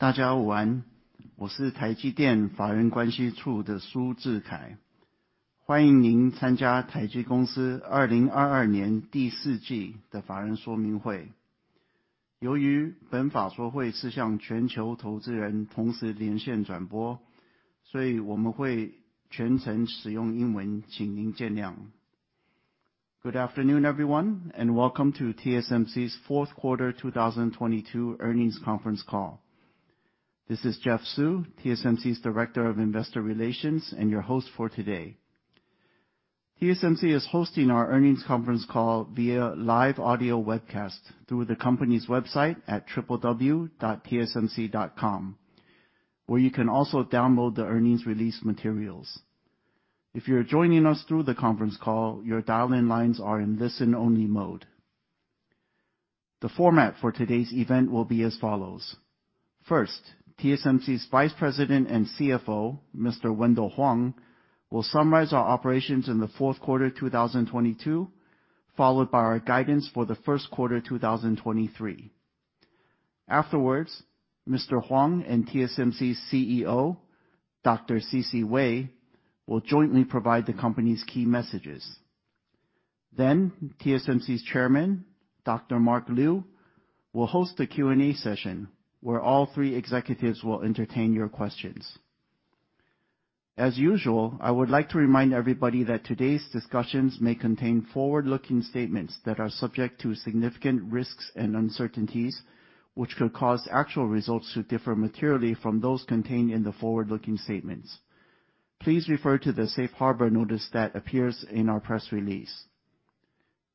大家午 安， 我是台积电法人关系处的苏智 凯， 欢迎您参加台积公司2022年第四季的法人说明会。由于本法说会是向全球投资人同时连线转 播， 所以我们会全程使用英 文， 请您见谅。Good afternoon, everyone, and welcome to TSMC's fourth quarter 2022 earnings conference call. This is Jeff Su, TSMC's Director of Investor Relations, and your host for today. TSMC is hosting our earnings conference call via live audio webcast through the company's website at www.tsmc.com, where you can also download the earnings release materials. If you're joining us through the conference call, your dial-in lines are in listen-only mode. The format for today's event will be as follows. First, TSMC's Vice President and CFO, Mr. Wendell Huang, will summarize our operations in the fourth quarter 2022, followed by our guidance for the first quarter 2023. Afterwards, Mr. Huang and TSMC's CEO, Dr. C.C. Wei, will jointly provide the company's key messages. TSMC's Chairman, Dr. Mark Liu, will host a Q&A session where all three executives will entertain your questions. As usual, I would like to remind everybody that today's discussions may contain forward-looking statements that are subject to significant risks and uncertainties, which could cause actual results to differ materially from those contained in the forward-looking statements. Please refer to the safe harbor notice that appears in our press release.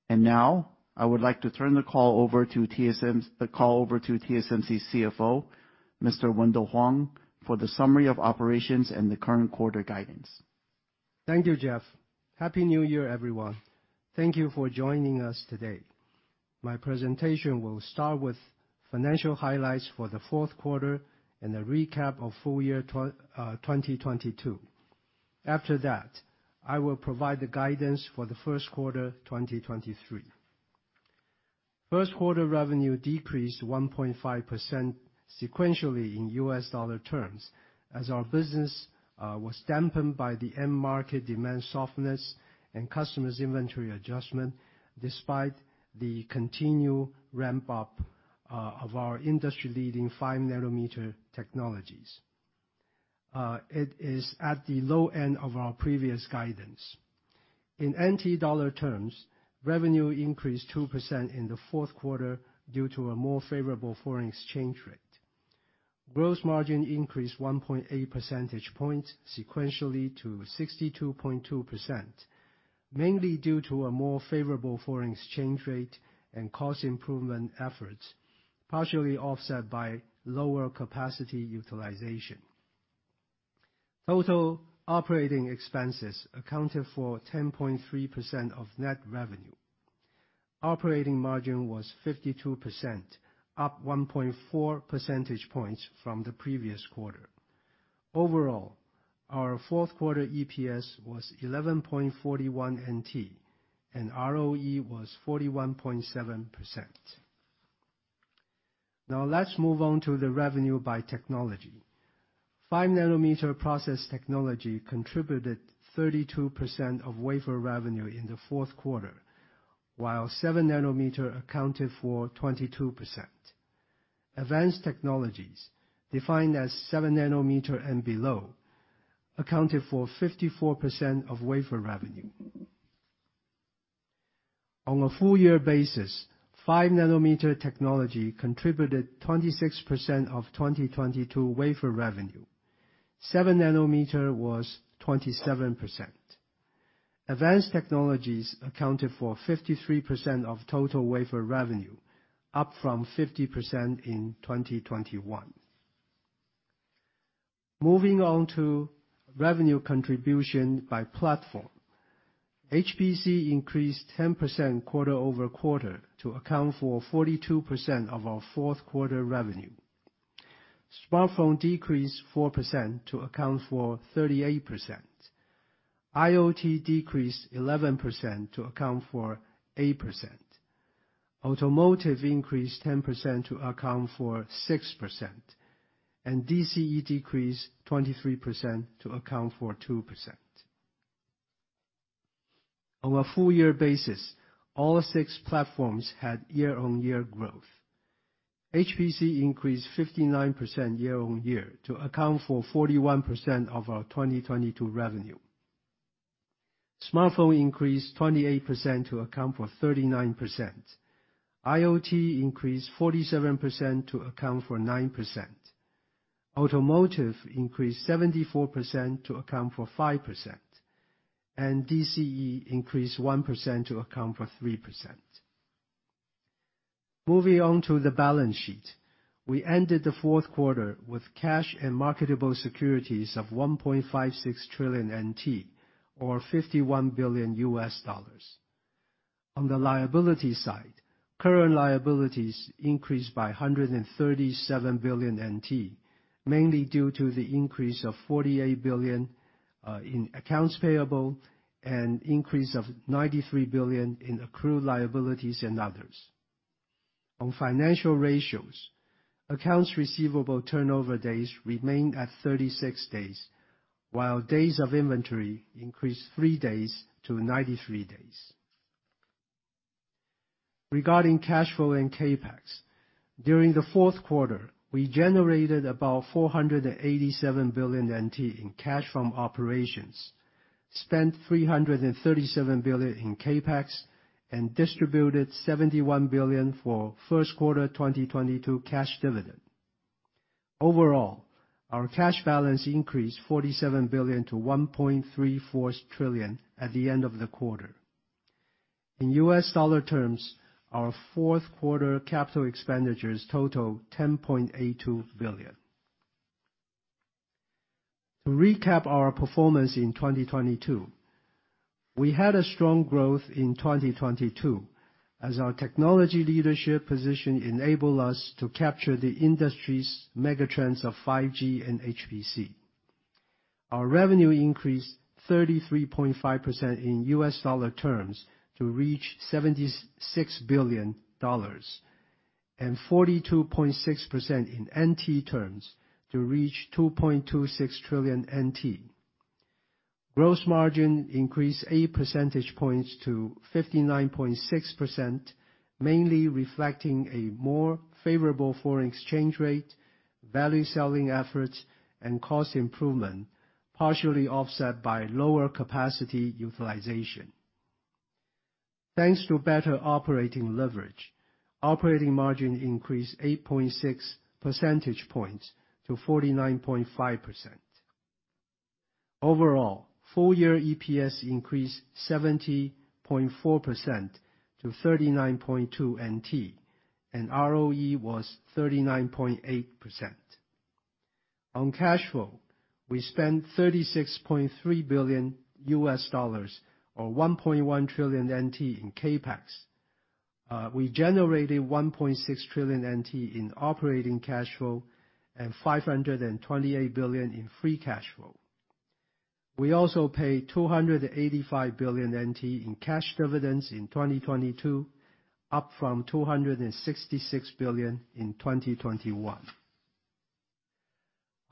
Now, I would like to turn the call over to TSMC's CFO, Mr. Wendell Huang, for the summary of operations and the current quarter guidance. Thank you, Jeff. Happy New Year, everyone. Thank you for joining us today. My presentation will start with financial highlights for the fourth quarter and a recap of full year 2022. After that, I will provide the guidance for the first quarter, 2023. First quarter revenue decreased 1.5% sequentially in US dollar terms as our business was dampened by the end market demand softness and customers' inventory adjustment despite the continued ramp up of our industry-leading 5 nm technologies. It is at the low end of our previous guidance. In NT dollar terms, revenue increased 2% in the fourth quarter due to a more favorable foreign exchange rate. Gross margin increased 1.8 percentage points sequentially to 62.2%, mainly due to a more favorable foreign exchange rate and cost improvement efforts, partially offset by lower capacity utilization. Total operating expenses accounted for 10.3% of net revenue. Operating margin was 52%, up 1.4 percentage points from the previous quarter. Overall, our fourth quarter EPS was 11.41 NT, and ROE was 41.7%. Now let's move on to the revenue by technology. 5 nm process technology contributed 32% of wafer revenue in the fourth quarter, while 7 nm accounted for 22%. Advanced technologies, defined as 7 nr and below, accounted for 54% of wafer revenue. On a full year basis, 5 nm technology contributed 26% of 2022 wafer revenue. 7 nm was 27%. Advanced technologies accounted for 53% of total wafer revenue, up from 50% in 2021. Moving on to revenue contribution by platform. HPC increased 10% quarter-over-quarter to account for 42% of our fourth quarter revenue. Smartphone decreased 4% to account for 38%. IoT decreased 11% to account for 8%. Automotive increased 10% to account for 6%. DCE decreased 23% to account for 2%. On a full year basis, all six platforms had year-on-year growth. HPC increased 59% year-on-year to account for 41% of our 2022 revenue. Smartphone increased 28% to account for 39%. IoT increased 47% to account for 9%. Automotive increased 74% to account for 5%. DCE increased 1% to account for 3%. Moving on to the balance sheet. We ended the fourth quarter with cash and marketable securities of NT 1.56 trillion, or $51 billion. On the liability side, current liabilities increased by NT$137 billion, mainly due to the increase of NT$48 billion in accounts payable and increase of NT$93 billion in accrued liabilities and others. On financial ratios, accounts receivable turnover days remain at 36 days, while days of inventory increased 3 days to 93 days. Regarding cash flow and CapEx, during the fourth quarter, we generated about NT$487 billion in cash from operations, spent NT$337 billion in CapEx and distributed NT$71 billion for first quarter 2022 cash dividend. Overall, our cash balance increased NT$47 billion to NT$1.75 trillion at the end of the quarter. In US dollar terms, our fourth quarter capital expenditures total $10.82 billion. To recap our performance in 2022, we had a strong growth in 2022 as our technology leadership position enabled us to capture the industry's megatrends of 5G and HPC. Our revenue increased 33.5% in US dollar terms to reach $76 billion, and 42.6% in NT terms to reach NT 2.26 trillion. Gross margin increased 8 percentage points to 59.6%, mainly reflecting a more favorable foreign exchange rate, value selling efforts, and cost improvement, partially offset by lower capacity utilization. Thanks to better operating leverage, operating margin increased 8.6 percentage points to 49.5%. Overall, full year EPS increased 70.4% to NT 39.2, and ROE was 39.8%. On cash flow, we spent $36.3 billion or 1.1 trillion NT in CapEx. We generated 1.6 trillion NT in operating cash flow and 528 billion in free cash flow. We also paid 285 billion NT in cash dividends in 2022, up from 266 billion in 2021.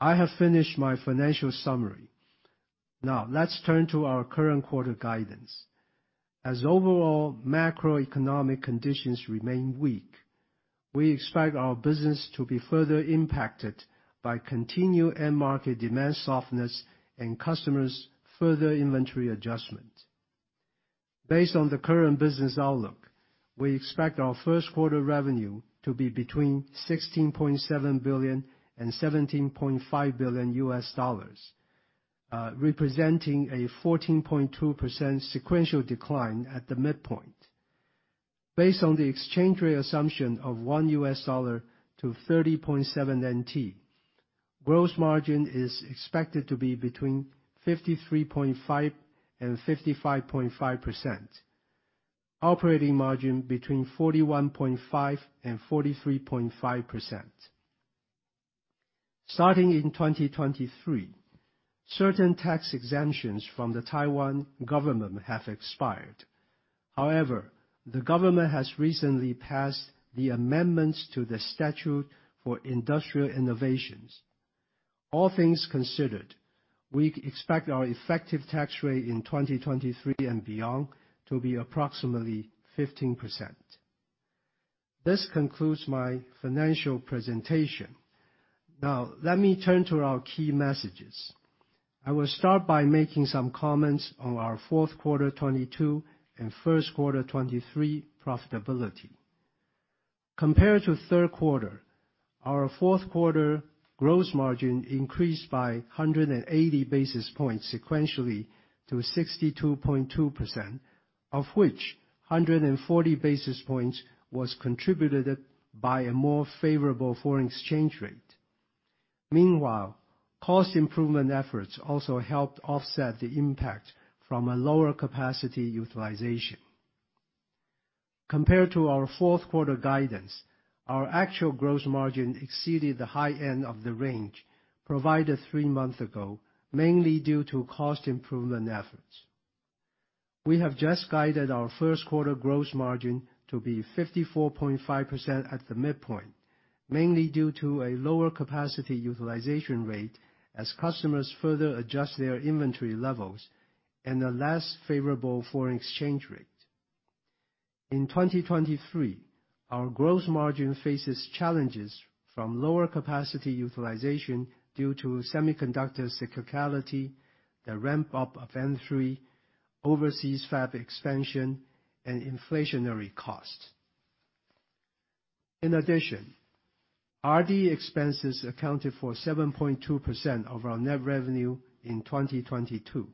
I have finished my financial summary. Let's turn to our current quarter guidance. As overall macroeconomic conditions remain weak, we expect our business to be further impacted by continued end market demand softness and customers' further inventory adjustment. Based on the current business outlook, we expect our first quarter revenue to be between $16.7 billion and $17.5 billion, representing a 14.2% sequential decline at the midpoint. Based on the exchange rate assumption of 1 US dollar to 30.7 NT, gross margin is expected to be between 53.5%-55.5%. Operating margin between 41.5%-43.5%. Starting in 2023, certain tax exemptions from the Taiwan government have expired. However, the government has recently passed the amendments to the Statute for Industrial Innovation. All things considered, we expect our effective tax rate in 2023 and beyond to be approximately 15%. This concludes my financial presentation. Now, let me turn to our key messages. I will start by making some comments on our fourth quarter 2022 and first quarter 2023 profitability. Compared to third quarter, our fourth quarter gross margin increased by 180 basis points sequentially to 62.2%, of which 140 basis points was contributed by a more favorable foreign exchange rate. Cost improvement efforts also helped offset the impact from a lower capacity utilization. Compared to our fourth quarter guidance, our actual gross margin exceeded the high end of the range provided three months ago, mainly due to cost improvement efforts. We have just guided our first quarter gross margin to be 54.5% at the midpoint, mainly due to a lower capacity utilization rate as customers further adjust their inventory levels and a less favorable foreign exchange rate. In 2023, our gross margin faces challenges from lower capacity utilization due to semiconductor cyclicality, the ramp-up of N3, overseas fab expansion, and inflationary costs. In addition, R&D expenses accounted for 7.2% of our net revenue in 2022.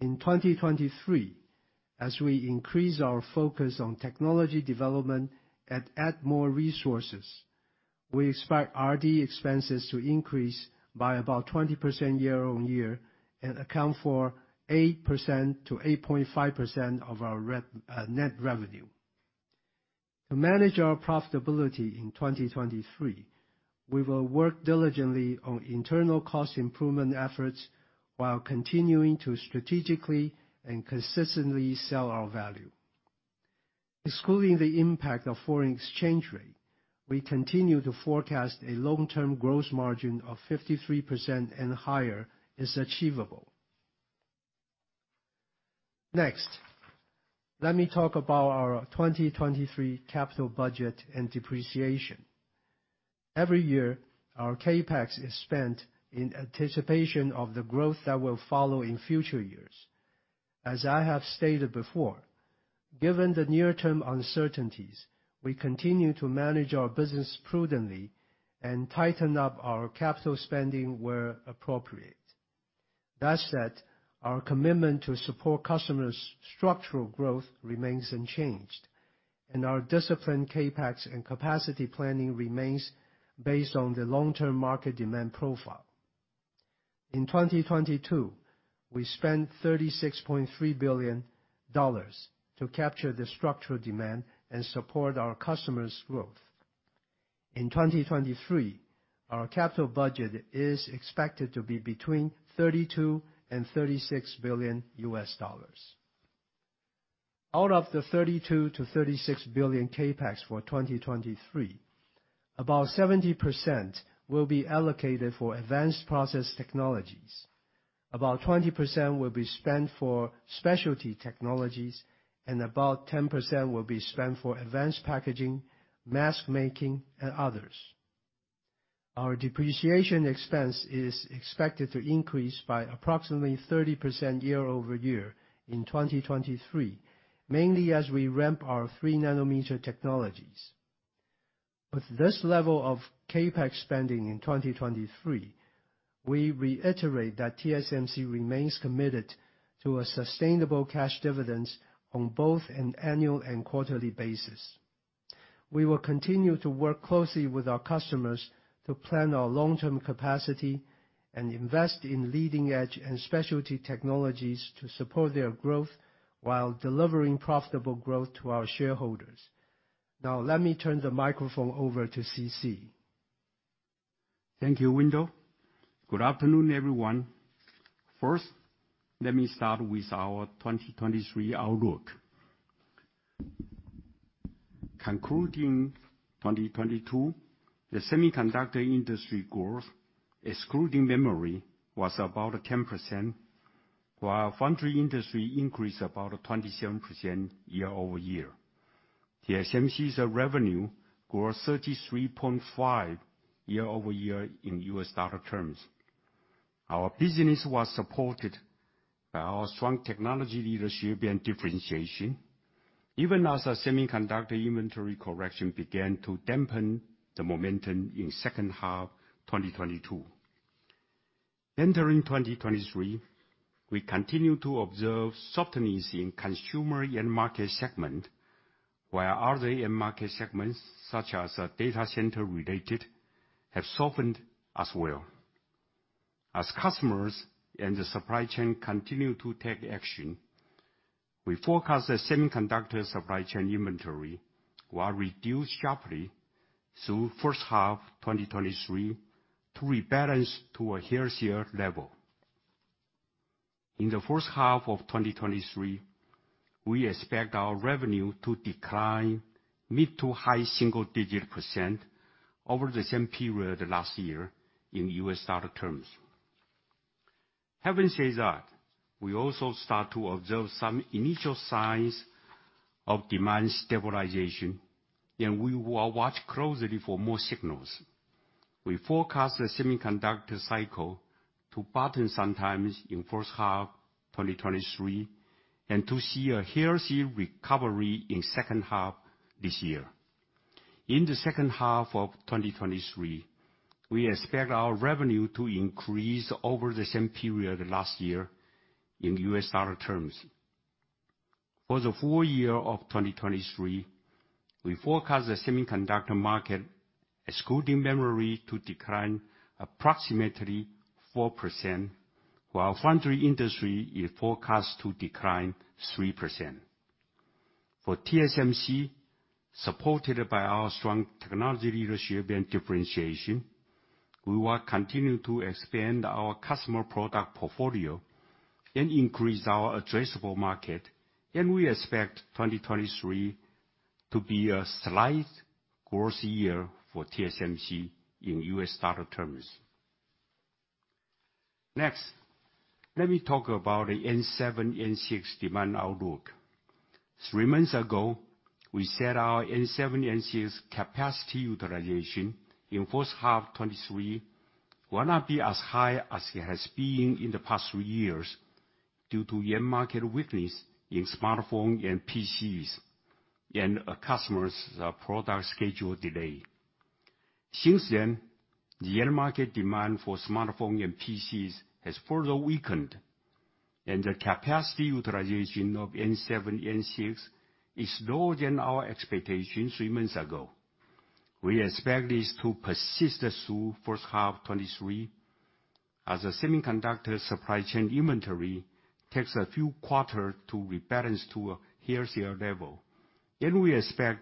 In 2023, as we increase our focus on technology development and add more resources, we expect R&D expenses to increase by about 20% year-on-year and account for 8%-8.5% of our net revenue. To manage our profitability in 2023, we will work diligently on internal cost improvement efforts while continuing to strategically and consistently sell our value. Excluding the impact of foreign exchange rate, we continue to forecast a long-term growth margin of 53% and higher is achievable. Let me talk about our 2023 capital budget and depreciation. Every year, our CapEx is spent in anticipation of the growth that will follow in future years. As I have stated before, given the near-term uncertainties, we continue to manage our business prudently and tighten up our capital spending where appropriate. That said, our commitment to support customers' structural growth remains unchanged, and our disciplined CapEx and capacity planning remains based on the long-term market demand profile. In 2022, we spent $36.3 billion to capture the structural demand and support our customers' growth. In 2023, our capital budget is expected to be between $32 billion and $36 billion. Out of the $32 billion-$36 billion CapEx for 2023, about 70% will be allocated for advanced process technologies, about 20% will be spent for specialty technologies, and about 10% will be spent for advanced packaging, mask making, and others. Our depreciation expense is expected to increase by approximately 30% year-over-year in 2023, mainly as we ramp our 3 nm technologies. With this level of CapEx spending in 2023, we reiterate that TSMC remains committed to a sustainable cash dividends on both an annual and quarterly basis. We will continue to work closely with our customers to plan our long-term capacity and invest in leading-edge and specialty technologies to support their growth while delivering profitable growth to our shareholders. Now, let me turn the microphone over to C.C. Thank you, Wendell. Good afternoon, everyone. First, let me start with our 2023 outlook. Concluding 2022, the semiconductor industry growth, excluding memory, was about 10%, while foundry industry increased about 27% year-over-year. TSMC's revenue grew 33.5% year-over-year in US dollar terms. Our business was supported by our strong technology leadership and differentiation, even as the semiconductor inventory correction began to dampen the momentum in second half 2022. Entering 2023, we continue to observe softness in consumer end market segment, where other end market segments, such as data center related, have softened as well. As customers and the supply chain continue to take action, we forecast the semiconductor supply chain inventory will reduce sharply through first half 2023 to rebalance to a healthier level. In the first half of 2023, we expect our revenue to decline mid-to-high single digit % over the same period last year in US dollar terms. Having said that, we also start to observe some initial signs of demand stabilization, and we will watch closely for more signals. We forecast the semiconductor cycle to bottom sometimes in first half 2023, and to see a healthy recovery in second half this year. In the second half of 2023, we expect our revenue to increase over the same period last year in US dollar terms. For the full year of 2023, we forecast the semiconductor market, excluding memory, to decline approximately 4%, while foundry industry is forecast to decline 3%. For TSMC, supported by our strong technology leadership and differentiation, we will continue to expand our customer product portfolio and increase our addressable market. We expect 2023 to be a slight growth year for TSMC in US dollar terms. Let me talk about the N7, N6 demand outlook. Three months ago, we said our N7, N6 capacity utilization in first half 2023 will not be as high as it has been in the past three years due to end market weakness in smartphone and PCs, and customers' product schedule delay. Since then, the end market demand for smartphone and PCs has further weakened, and the capacity utilization of N7, N6 is lower than our expectations three months ago. We expect this to persist through first half 2023. A semiconductor supply chain inventory takes a few quarter to rebalance to a healthier level, then we expect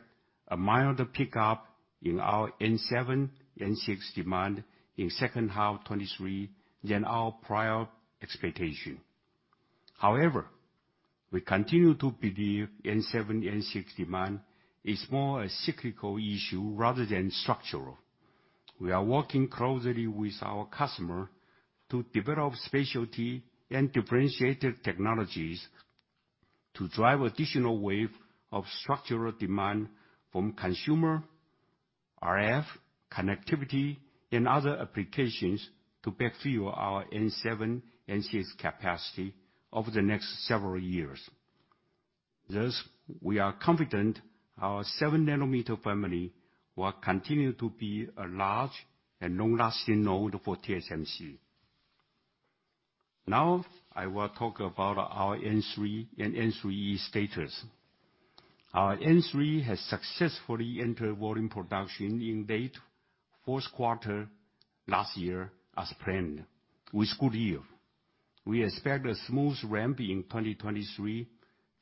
a milder pickup in our N7, N6 demand in second half 2023 than our prior expectation. We continue to believe N7, N6 demand is more a cyclical issue rather than structural. We are working closely with our customer to develop specialty and differentiated technologies to drive additional wave of structural demand from consumer, RF, connectivity, and other applications to backfill our N7, N6 capacity over the next several years. We are confident our 7 nm family will continue to be a large and long-lasting node for TSMC. I will talk about our N3 and N3E status. Our N3 has successfully entered volume production in late fourth quarter last year as planned with good yield. We expect a smooth ramp in 2023,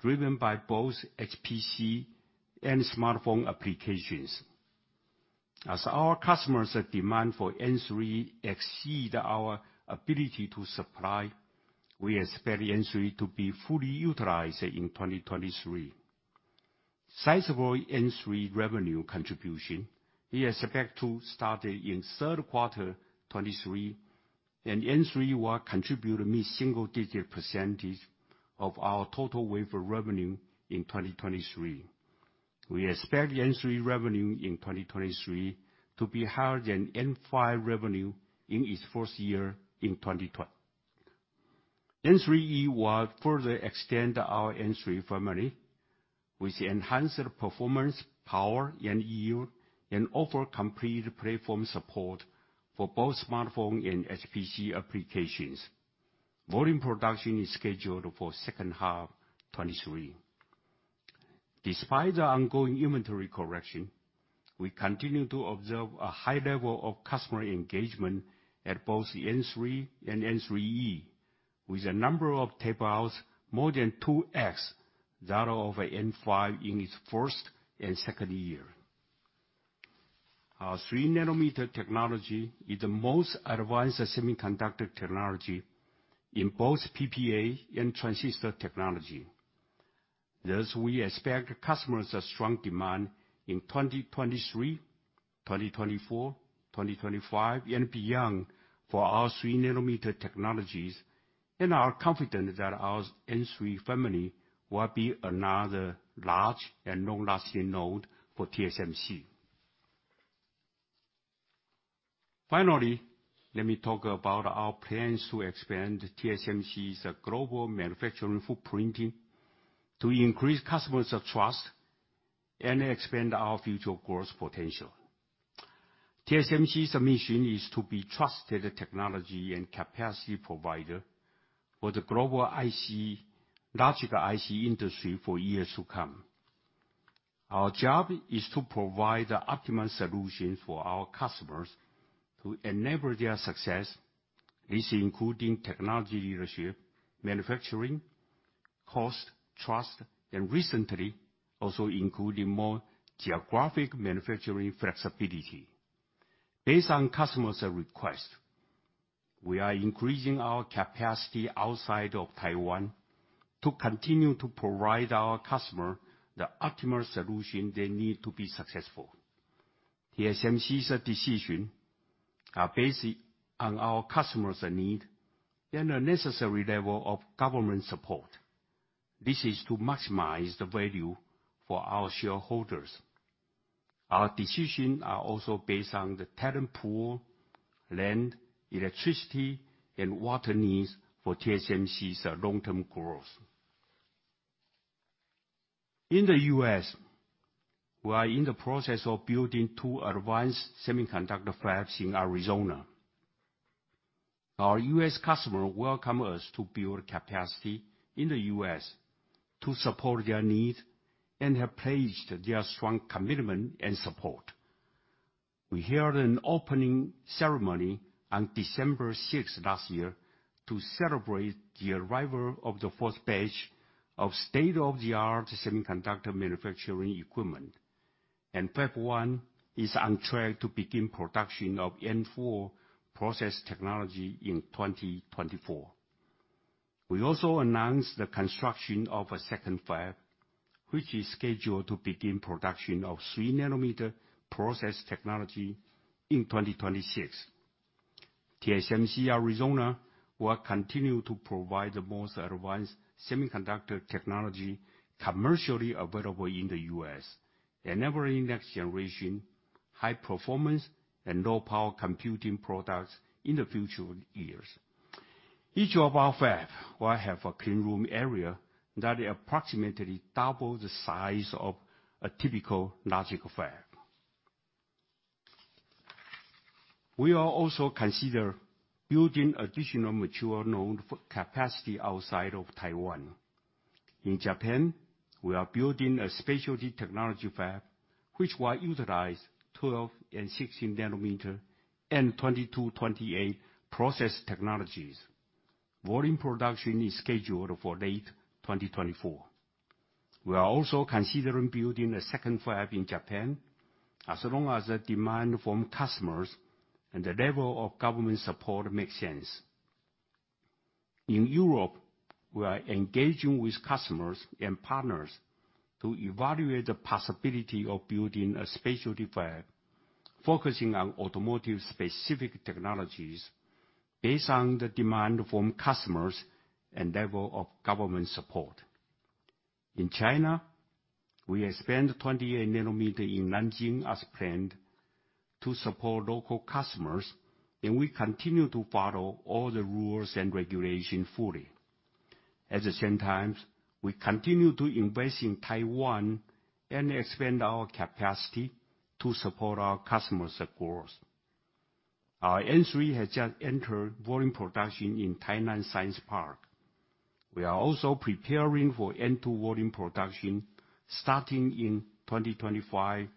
driven by both HPC and smartphone applications. As our customers' demand for N3 exceed our ability to supply, we expect N3 to be fully utilized in 2023. Sizeable N3 revenue contribution, we expect to start in 3rd quarter 2023, and N3 will contribute mid-single digit % of our total wafer revenue in 2023. We expect N3 revenue in 2023 to be higher than N5 revenue in its first year in 2020. N3E will further extend our N3 family with enhanced performance, power, and yield, and offer complete platform support for both smartphone and HPC applications. Volume production is scheduled for 2nd half 2023. Despite the ongoing inventory correction, we continue to observe a high level of customer engagement at both N3 and N3E, with a number of tape-outs more than 2x that of N5 in its first and second year. Our 3 nm technology is the most advanced semiconductor technology in both PPA and transistor technology. Thus, we expect customers a strong demand in 2023, 2024, 2025, and beyond for our 3 nm technologies, and are confident that our N3 family will be another large and long-lasting node for TSMC. Finally, let me talk about our plans to expand TSMC's global manufacturing footprinting to increase customers' trust and expand our future growth potential. TSMC's mission is to be trusted technology and capacity provider for the global IC, logical IC industry for years to come. Our job is to provide the optimal solutions for our customers to enable their success. This including technology leadership, manufacturing, cost, trust, and recently, also including more geographic manufacturing flexibility. Based on customers' request, we are increasing our capacity outside of Taiwan to continue to provide our customer the ultimate solution they need to be successful. TSMC's decision are based on our customers' need and a necessary level of government support. This is to maximize the value for our shareholders. Our decision are also based on the talent pool, land, electricity, and water needs for TSMC's long-term growth. In the U.S., we are in the process of building two advanced semiconductor fabs in Arizona. Our U.S. customer welcome us to build capacity in the U.S. to support their need and have pledged their strong commitment and support. We held an opening ceremony on December sixth last year to celebrate the arrival of the first batch of state-of-the-art semiconductor manufacturing equipment. Fab one is on track to begin production of N4 process technology in 2024. We also announced the construction of a second fab, which is scheduled to begin production of 3 nm process technology in 2026. TSMC Arizona will continue to provide the most advanced semiconductor technology commercially available in the U.S., enabling next-generation high-performance and low-power computing products in the future years. Each of our fab will have a clean room area that approximately double the size of a typical logical fab. We are also consider building additional mature node for capacity outside of Taiwan. In Japan, we are building a specialty technology fab, which will utilize 12 and 16 nm and 22, 28 process technologies. Volume production is scheduled for late 2024. We are also considering building a second fab in Japan as long as the demand from customers and the level of government support makes sense. In Europe, we are engaging with customers and partners to evaluate the possibility of building a specialty fab focusing on automotive specific technologies based on the demand from customers and level of government support. In China, we expand 28 nm in Nanjing as planned to support local customers. We continue to follow all the rules and regulations fully. At the same time, we continue to invest in Taiwan and expand our capacity to support our customers' growth. Our N3 has just entered volume production in Tainan Science Park. We are also preparing for N2 volume production starting in 2025,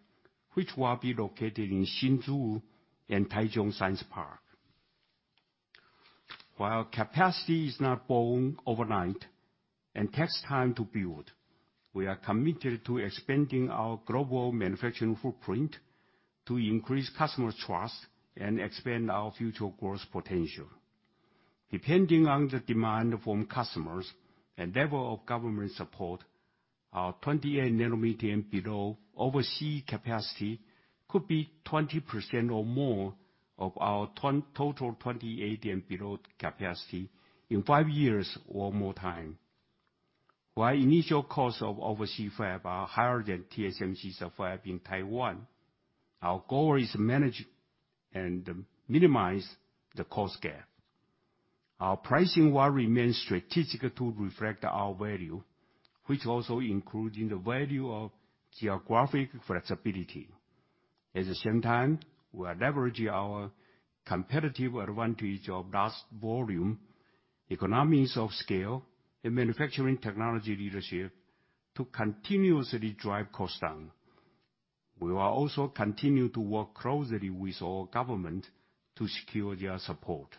which will be located in Hsinchu and Taichung Science Park. While capacity is not born overnight and takes time to build, we are committed to expanding our global manufacturing footprint to increase customer trust and expand our future growth potential. Depending on the demand from customers and level of government support, our 28 nm and below oversea capacity could be 20% or more of our total 28 and below capacity in five years or more time. While initial costs of oversea fab are higher than TSMC's fab in Taiwan, our goal is manage and minimize the cost gap. Our pricing will remain strategic to reflect our value, which also including the value of geographic flexibility. At the same time, we are leveraging our competitive advantage of large volume, economies of scale, and manufacturing technology leadership to continuously drive costs down. We will also continue to work closely with all government to secure their support.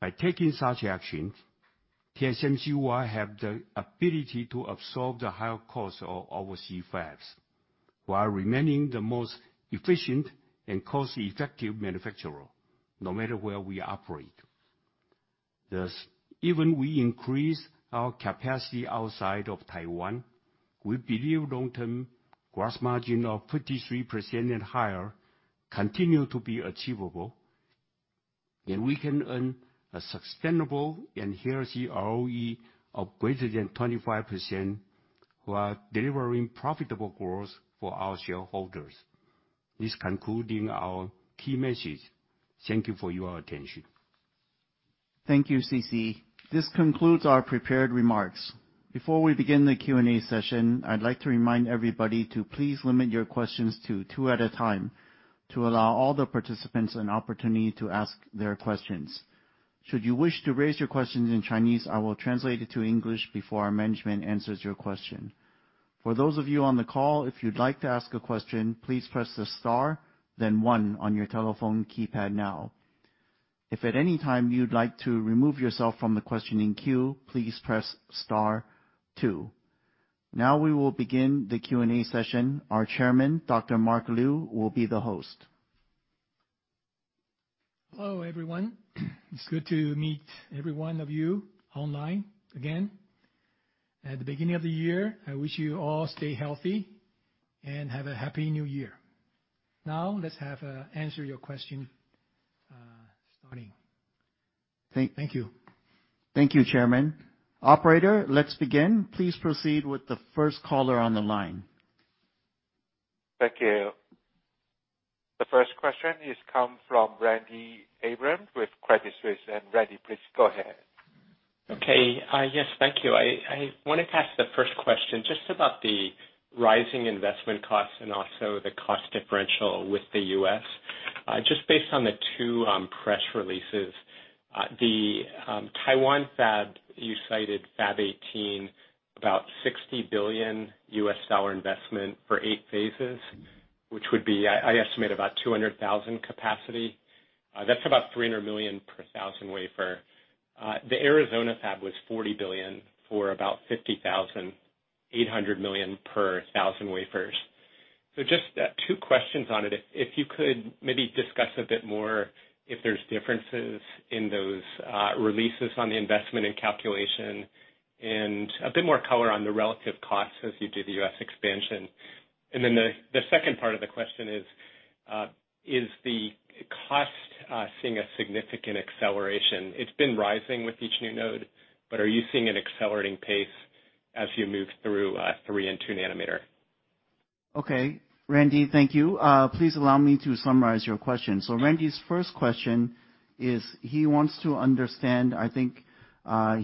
By taking such actions, TSMC will have the ability to absorb the higher cost of oversea fabs while remaining the most efficient and cost-effective manufacturer, no matter where we operate. Even we increase our capacity outside of Taiwan, we believe long-term gross margin of 53% and higher continue to be achievable, and we can earn a sustainable and healthy ROE of greater than 25% while delivering profitable growth for our shareholders. This concluding our key message. Thank you for your attention. Thank you, C.C. This concludes our prepared remarks. Before we begin the Q&A session, I'd like to remind everybody to please limit your questions to two at a time to allow all the participants an opportunity to ask their questions. Should you wish to raise your questions in Chinese, I will translate it to English before our management answers your question. For those of you on the call, if you'd like to ask a question, please press the star, then one on your telephone keypad now. If at any time you'd like to remove yourself from the questioning queue, please press star two. Now we will begin the Q&A session. Our chairman, Dr. Mark Liu, will be the host. Hello, everyone. It's good to meet every one of you online again. At the beginning of the year, I wish you all stay healthy and have a happy new year. Now, let's have answer your question starting. Thank- Thank you. Thank you, Chairman. Operator, let's begin. Please proceed with the first caller on the line. Thank you. The first question is come from Randy Abrams with Credit Suisse. Randy, please go ahead. Okay. Yes, thank you. I wanna ask the first question just about the rising investment costs and also the cost differential with the U.S. Just based on the two press releases, the Taiwan fab, you cited Fab 18, about $60 billion investment for eight phases, which would be I estimate about 200,000 capacity. That's about $300 million per 1,000 wafers. The Arizona fab was $40 billion for about 50,000, $800 million per 1,000 wafers. Just two questions on it. If you could maybe discuss a bit more if there's differences in those releases on the investment and calculation, and a bit more color on the relative costs as you do the U.S. expansion. The second part of the question is the cost seeing a significant acceleration? It's been rising with each new node, but are you seeing an accelerating pace as you move through 3 nm and N2? Okay. Randy, thank you. Please allow me to summarize your question. Randy's first question is he wants to understand,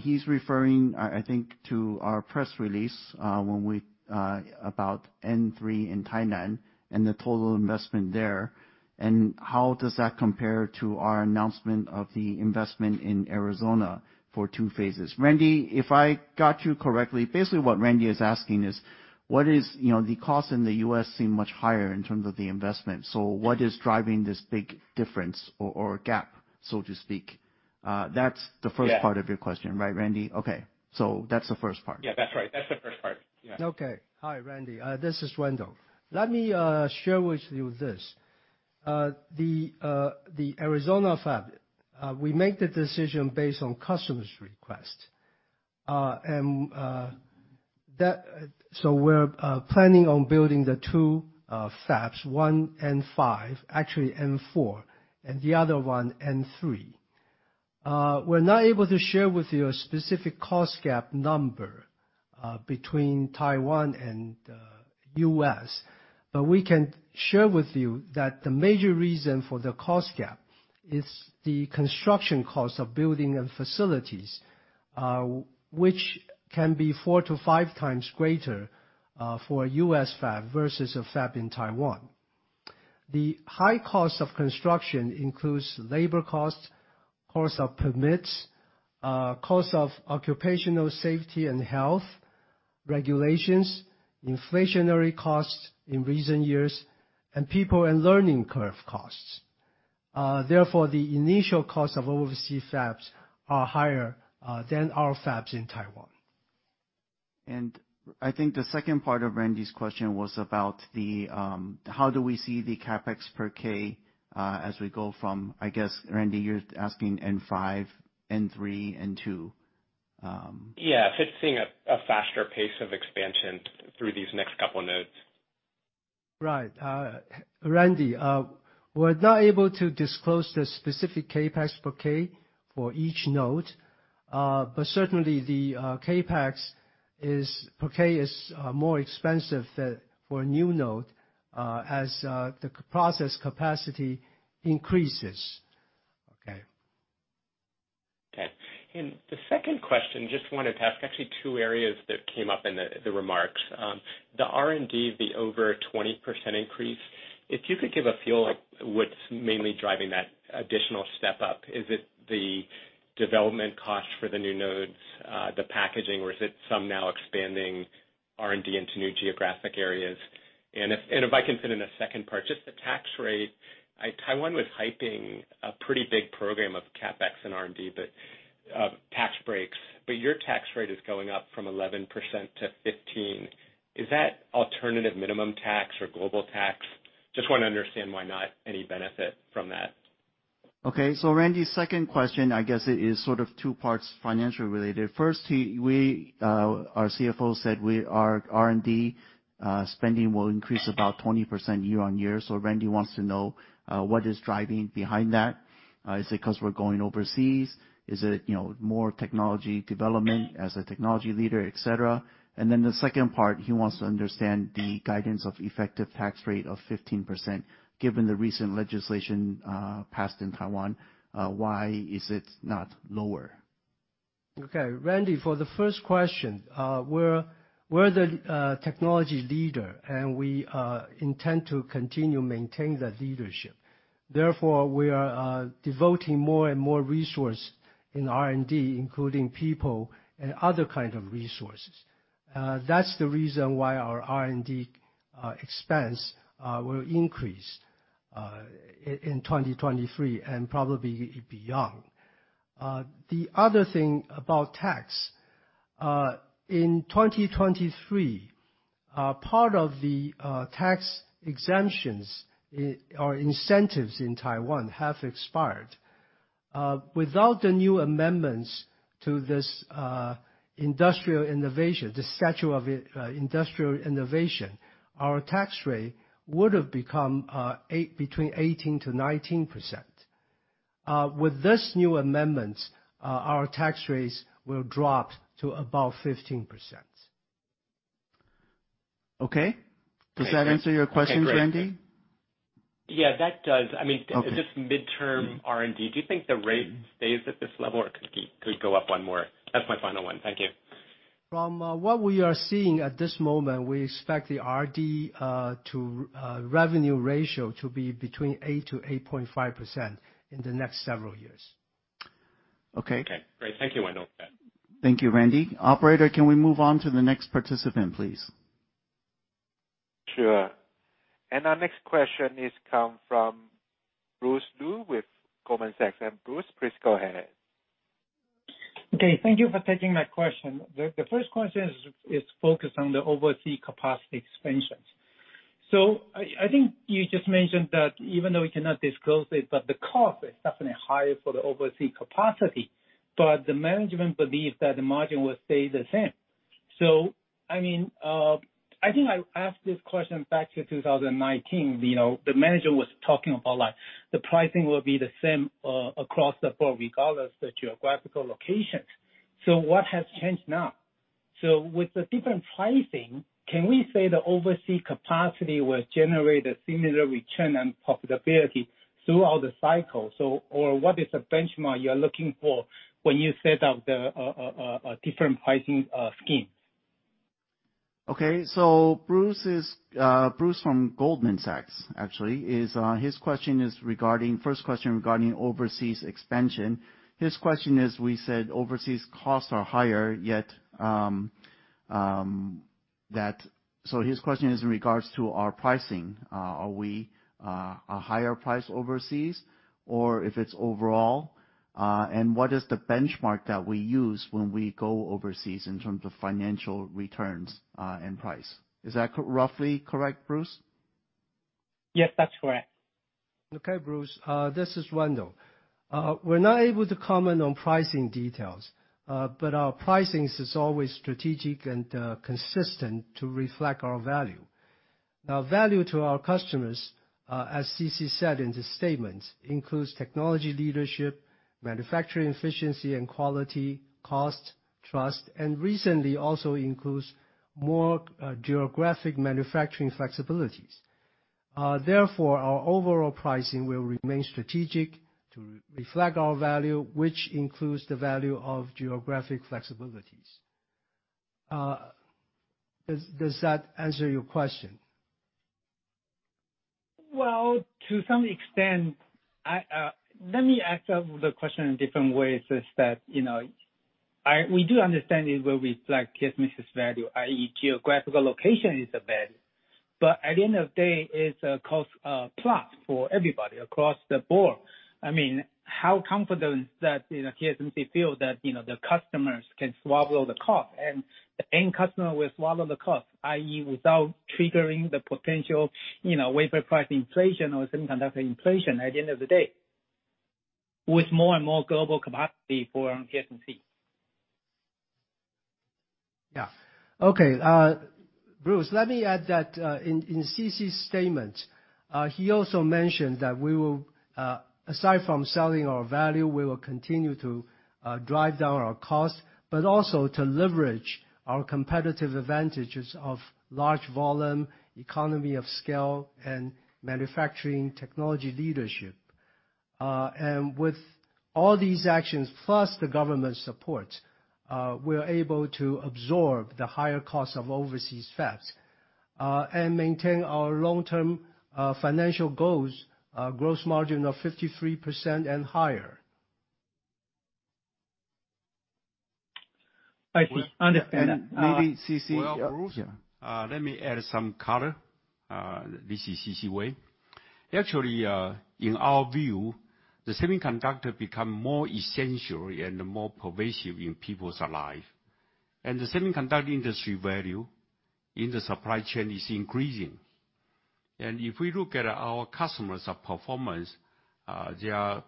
he's referring, I think, to our press release about N3 in Tainan and the total investment there, and how does that compare to our announcement of the investment in Arizona for 2 phases? Randy, if I got you correctly, basically what Randy is asking is, you know, the costs in the U.S. seem much higher in terms of the investment, so what is driving this big difference or gap, so to speak? Yeah. part of your question, right, Randy? Okay. That's the first part. Yeah, that's right. That's the first part. Yeah. Okay. Hi, Randy. This is Wendell. Let me share with you this. The Arizona fab, we made the decision based on customer's request. We're planning on building the two fabs, one and five. Actually, N4, and the other one, N3. We're not able to share with you a specific cost gap number between Taiwan and U.S. We can share with you that the major reason for the cost gap is the construction cost of building and facilities, which can be four to five times greater for a U.S. fab versus a fab in Taiwan. The high cost of construction includes labor costs, cost of permits, cost of occupational safety and health regulations, inflationary costs in recent years, and people and learning curve costs. The initial cost of overseas fabs are higher than our fabs in Taiwan. I think the second part of Randy's question was about the how do we see the CapEx per K as we go from... I guess, Randy, you're asking N5, N3, N2. If it's seeing a faster pace of expansion through these next couple nodes. Right. Randy, we're not able to disclose the specific CapEx per K for each node. Certainly the CapEx is, per K is, more expensive for a new node as the process capacity increases. Okay. Okay. The second question, just wanted to ask actually two areas that came up in the remarks. The R&D, the over 20% increase, if you could give a feel like what's mainly driving that additional step up. Is it the development cost for the new nodes, the packaging, or is it some now expanding R&D into new geographic areas? If I can fit in a second part, just the tax rate. Taiwan was hyping a pretty big program of CapEx and R&D, but tax breaks. Your tax rate is going up from 11%-15%. Is that alternative minimum tax or global tax? Just wanna understand why not any benefit from that. Randy's second question, I guess it is sort of two parts financially related. First, our CFO said our R&D spending will increase about 20% year-on-year. Randy wants to know what is driving behind that. Is it 'cause we're going overseas? Is it, you know, more technology development as a technology leader, etc.? The second part, he wants to understand the guidance of effective tax rate of 15%. Given the recent legislation passed in Taiwan, why is it not lower? Okay. Randy, for the first question, we're the technology leader, we intend to continue maintain that leadership. We are devoting more and more resource in R&D, including people and other kind of resources. That's the reason why our R&D expense will increase in 2023 and probably beyond. The other thing about tax in 2023, part of the tax exemptions or incentives in Taiwan have expired. Without the new amendments to this industrial innovation, the Statute of Industrial Innovation, our tax rate would have become between 18%-19%. With this new amendment, our tax rates will drop to about 15%. Okay. Okay. Does that answer your question, Randy? Okay, great. Yeah, that does. I mean. Okay. Just midterm R&D, do you think the rate stays at this level or could it go up one more? That's my final one. Thank you. From what we are seeing at this moment, we expect the R&D to revenue ratio to be between 8%-8.5% in the next several years. Okay. Okay. Great. Thank you, Wendell. Thank you, Randy. Operator, can we move on to the next participant, please? Sure. Our next question is come from Bruce Lu with Goldman Sachs. Bruce, please go ahead. Okay, thank you for taking my question. The first question is focused on the overseas capacity expansions. I think you just mentioned that even though we cannot disclose it, but the cost is definitely higher for the overseas capacity, but the management believes that the margin will stay the same. I mean, I think I asked this question back to 2019, you know, the manager was talking about like the pricing will be the same, across the board, regardless the geographical locations. What has changed now? With the different pricing, can we say the overseas capacity will generate a similar return on profitability throughout the cycle? Or what is the benchmark you are looking for when you set up the different pricing schemes? Bruce Lu from Goldman Sachs, actually, his question is regarding, first question regarding overseas expansion. His question is, we said overseas costs are higher, yet. His question is in regards to our pricing, are we a higher price overseas or if it's overall, and what is the benchmark that we use when we go overseas in terms of financial returns, and price? Is that roughly correct, Bruce? Yes, that's correct. Okay, Bruce, this is Wendell. We're not able to comment on pricing details, but our pricing is always strategic and consistent to reflect our value. Now, value to our customers, as C.C. said in his statement, includes technology leadership, manufacturing efficiency and quality, cost, trust, and recently also includes more geographic manufacturing flexibilities. Therefore, our overall pricing will remain strategic to reflect our value, which includes the value of geographic flexibilities. Does that answer your question? To some extent, I... Let me ask the question in different ways is that, you know, we do understand it will reflect TSMC's value, i.e., geographical location is a value. At the end of day, it's a cost plus for everybody across the board. I mean, how confident that, you know, TSMC feel that, you know, the customers can swallow the cost, and the end customer will swallow the cost, i.e., without triggering the potential, you know, wafer price inflation or semiconductor inflation at the end of the day with more and more global capacity for TSMC? Yeah. Okay. Bruce, let me add that in C.C.'s statement, he also mentioned that we will, aside from selling our value, we will continue to drive down our costs, but also to leverage our competitive advantages of large volume, economy of scale, and manufacturing technology leadership. With all these actions, plus the government support, we're able to absorb the higher costs of overseas fabs, and maintain our long-term financial goals, gross margin of 53% and higher. I see. Understood. maybe C.C. Well, Bruce Lu. Yeah. Let me add some color. This is C.C. Wei. Actually, in our view, the semiconductor become more essential and more pervasive in people's life. The semiconductor industry value in the supply chain is increasing. If we look at our customers' performance, their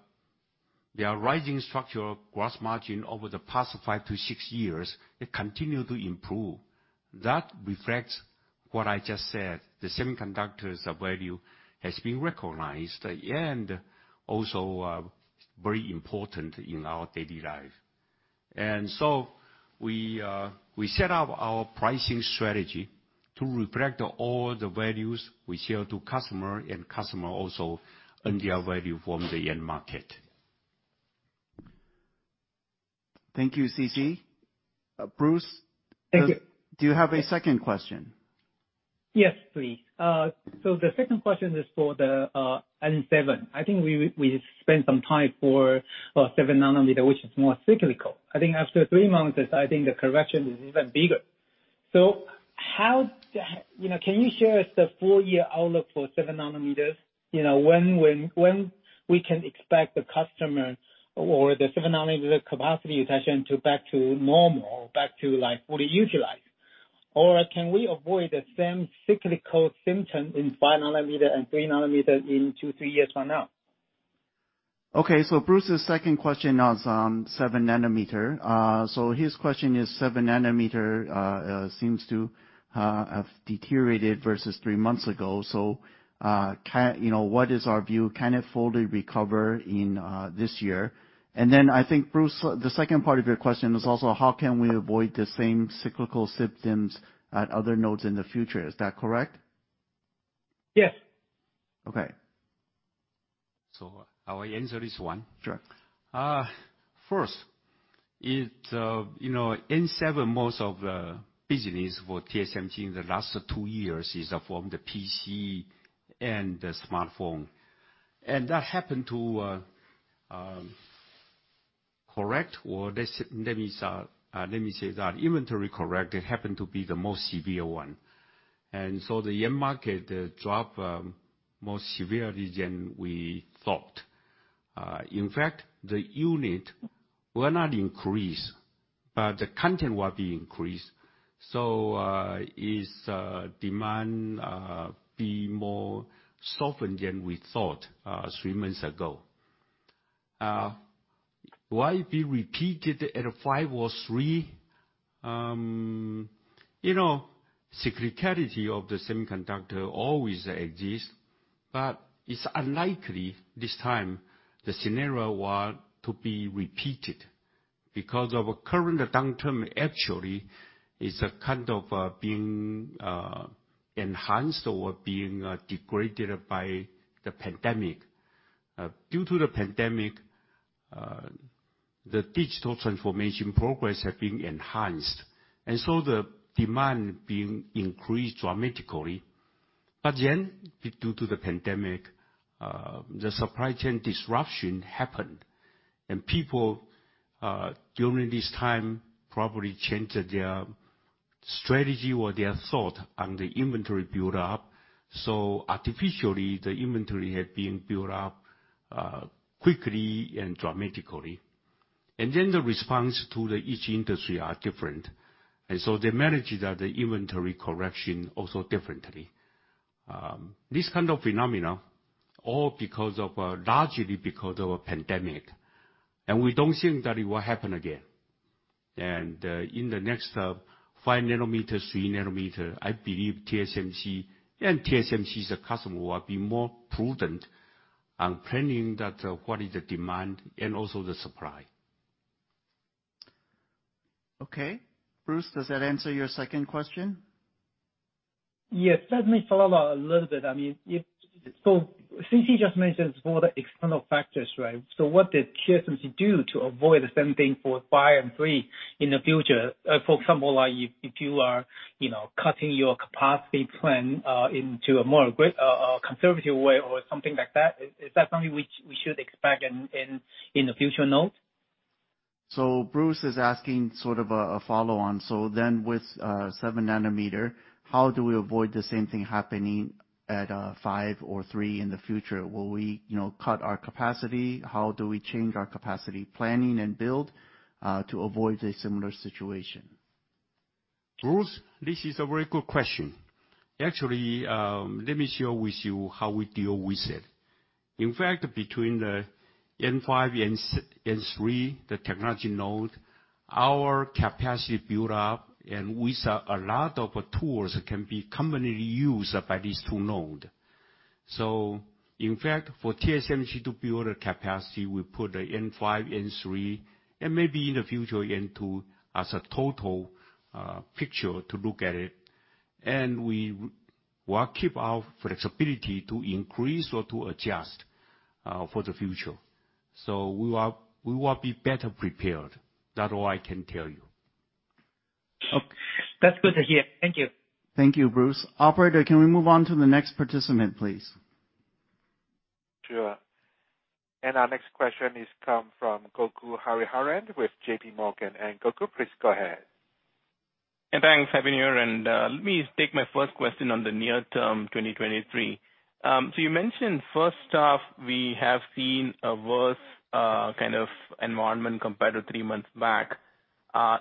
rising structural gross margin over the past five to six years, it continue to improve. That reflects what I just said, the semiconductors of value has been recognized and also very important in our daily life. We set up our pricing strategy to reflect all the values we sell to customer, and customer also earn their value from the end market. Thank you, C.C. Bruce- Thank you. Do you have a second question? Yes, please. The second question is for the N7. I think we spent some time for 7 nm, which is more cyclical. I think after three months, I think the correction is even bigger. You know, can you share the full year outlook for 7 nm? You know, when we can expect the customer or the 7 nm capacity utilization to back to normal or back to, like, fully utilized? Can we avoid the same cyclical symptom in 5 nm and 3 nm in two, three years from now? Okay. Bruce's second question was on 7 nm. His question is 7 nm seems to have deteriorated versus three months ago. You know, what is our view? Can it fully recover in this year? I think, Bruce, the second part of your question is also how can we avoid the same cyclical symptoms at other nodes in the future? Is that correct? Yes. Okay. I will answer this one. Sure. First, it, you know, N7, most of the business for TSMC in the last two years is from the PC and the smartphone. That happened to correct or let me say that inventory correct, it happened to be the most severe one. The end market drop more severely than we thought. In fact, the unit were not increased, but the content will be increased. Its demand be more softened than we thought three months ago. Why it be repeated at a five or three? You know, cyclicality of the semiconductor always exist, but it's unlikely this time the scenario were to be repeated because of current downturn actually is a kind of being enhanced or being degraded by the pandemic. Due to the pandemic, the digital transformation progress have been enhanced. The demand being increased dramatically. Due to the pandemic, the supply chain disruption happened, and people during this time probably changed their strategy or their thought on the inventory build-up. Artificially, the inventory had been built up quickly and dramatically. The response to the each industry are different. They managed that inventory correction also differently. This kind of phenomena, all because of largely because of a pandemic, and we don't think that it will happen again. In the next 5 nm, 3 nm, I believe TSMC and TSMC's customer will be more prudent on planning that, what is the demand and also the supply. Okay. Bruce, does that answer your second question? Yes. Let me follow up a little bit. Since he just mentioned it's more the external factors, right? What did TSMC do to avoid the same thing for five and three in the future? For example, like if you are, you know, cutting your capacity plan into a more conservative way or something like that, is that something which we should expect in the future node? Bruce is asking sort of a follow-on. With 7 nm, how do we avoid the same thing happening at five or three in the future? Will we, you know, cut our capacity? How do we change our capacity planning and build to avoid a similar situation? Bruce, this is a very good question. Actually, let me share with you how we deal with it. Between the N5, N3, the technology node, our capacity build-up and with a lot of tools can be commonly used by these two node. In fact, for TSMC to build capacity, we put the N5, N3, and maybe in the future N2 as a total picture to look at it. We will keep our flexibility to increase or to adjust for the future. We will be better prepared. That's all I can tell you. Okay. That's good to hear. Thank you. Thank you, Bruce. Operator, can we move on to the next participant, please? Sure. Our next question is come from Gokul Hariharan with JPMorgan. Gokul, please go ahead. Thanks, having you. Let me take my first question on the near term 2023. You mentioned first half we have seen a worse kind of environment compared to three months back.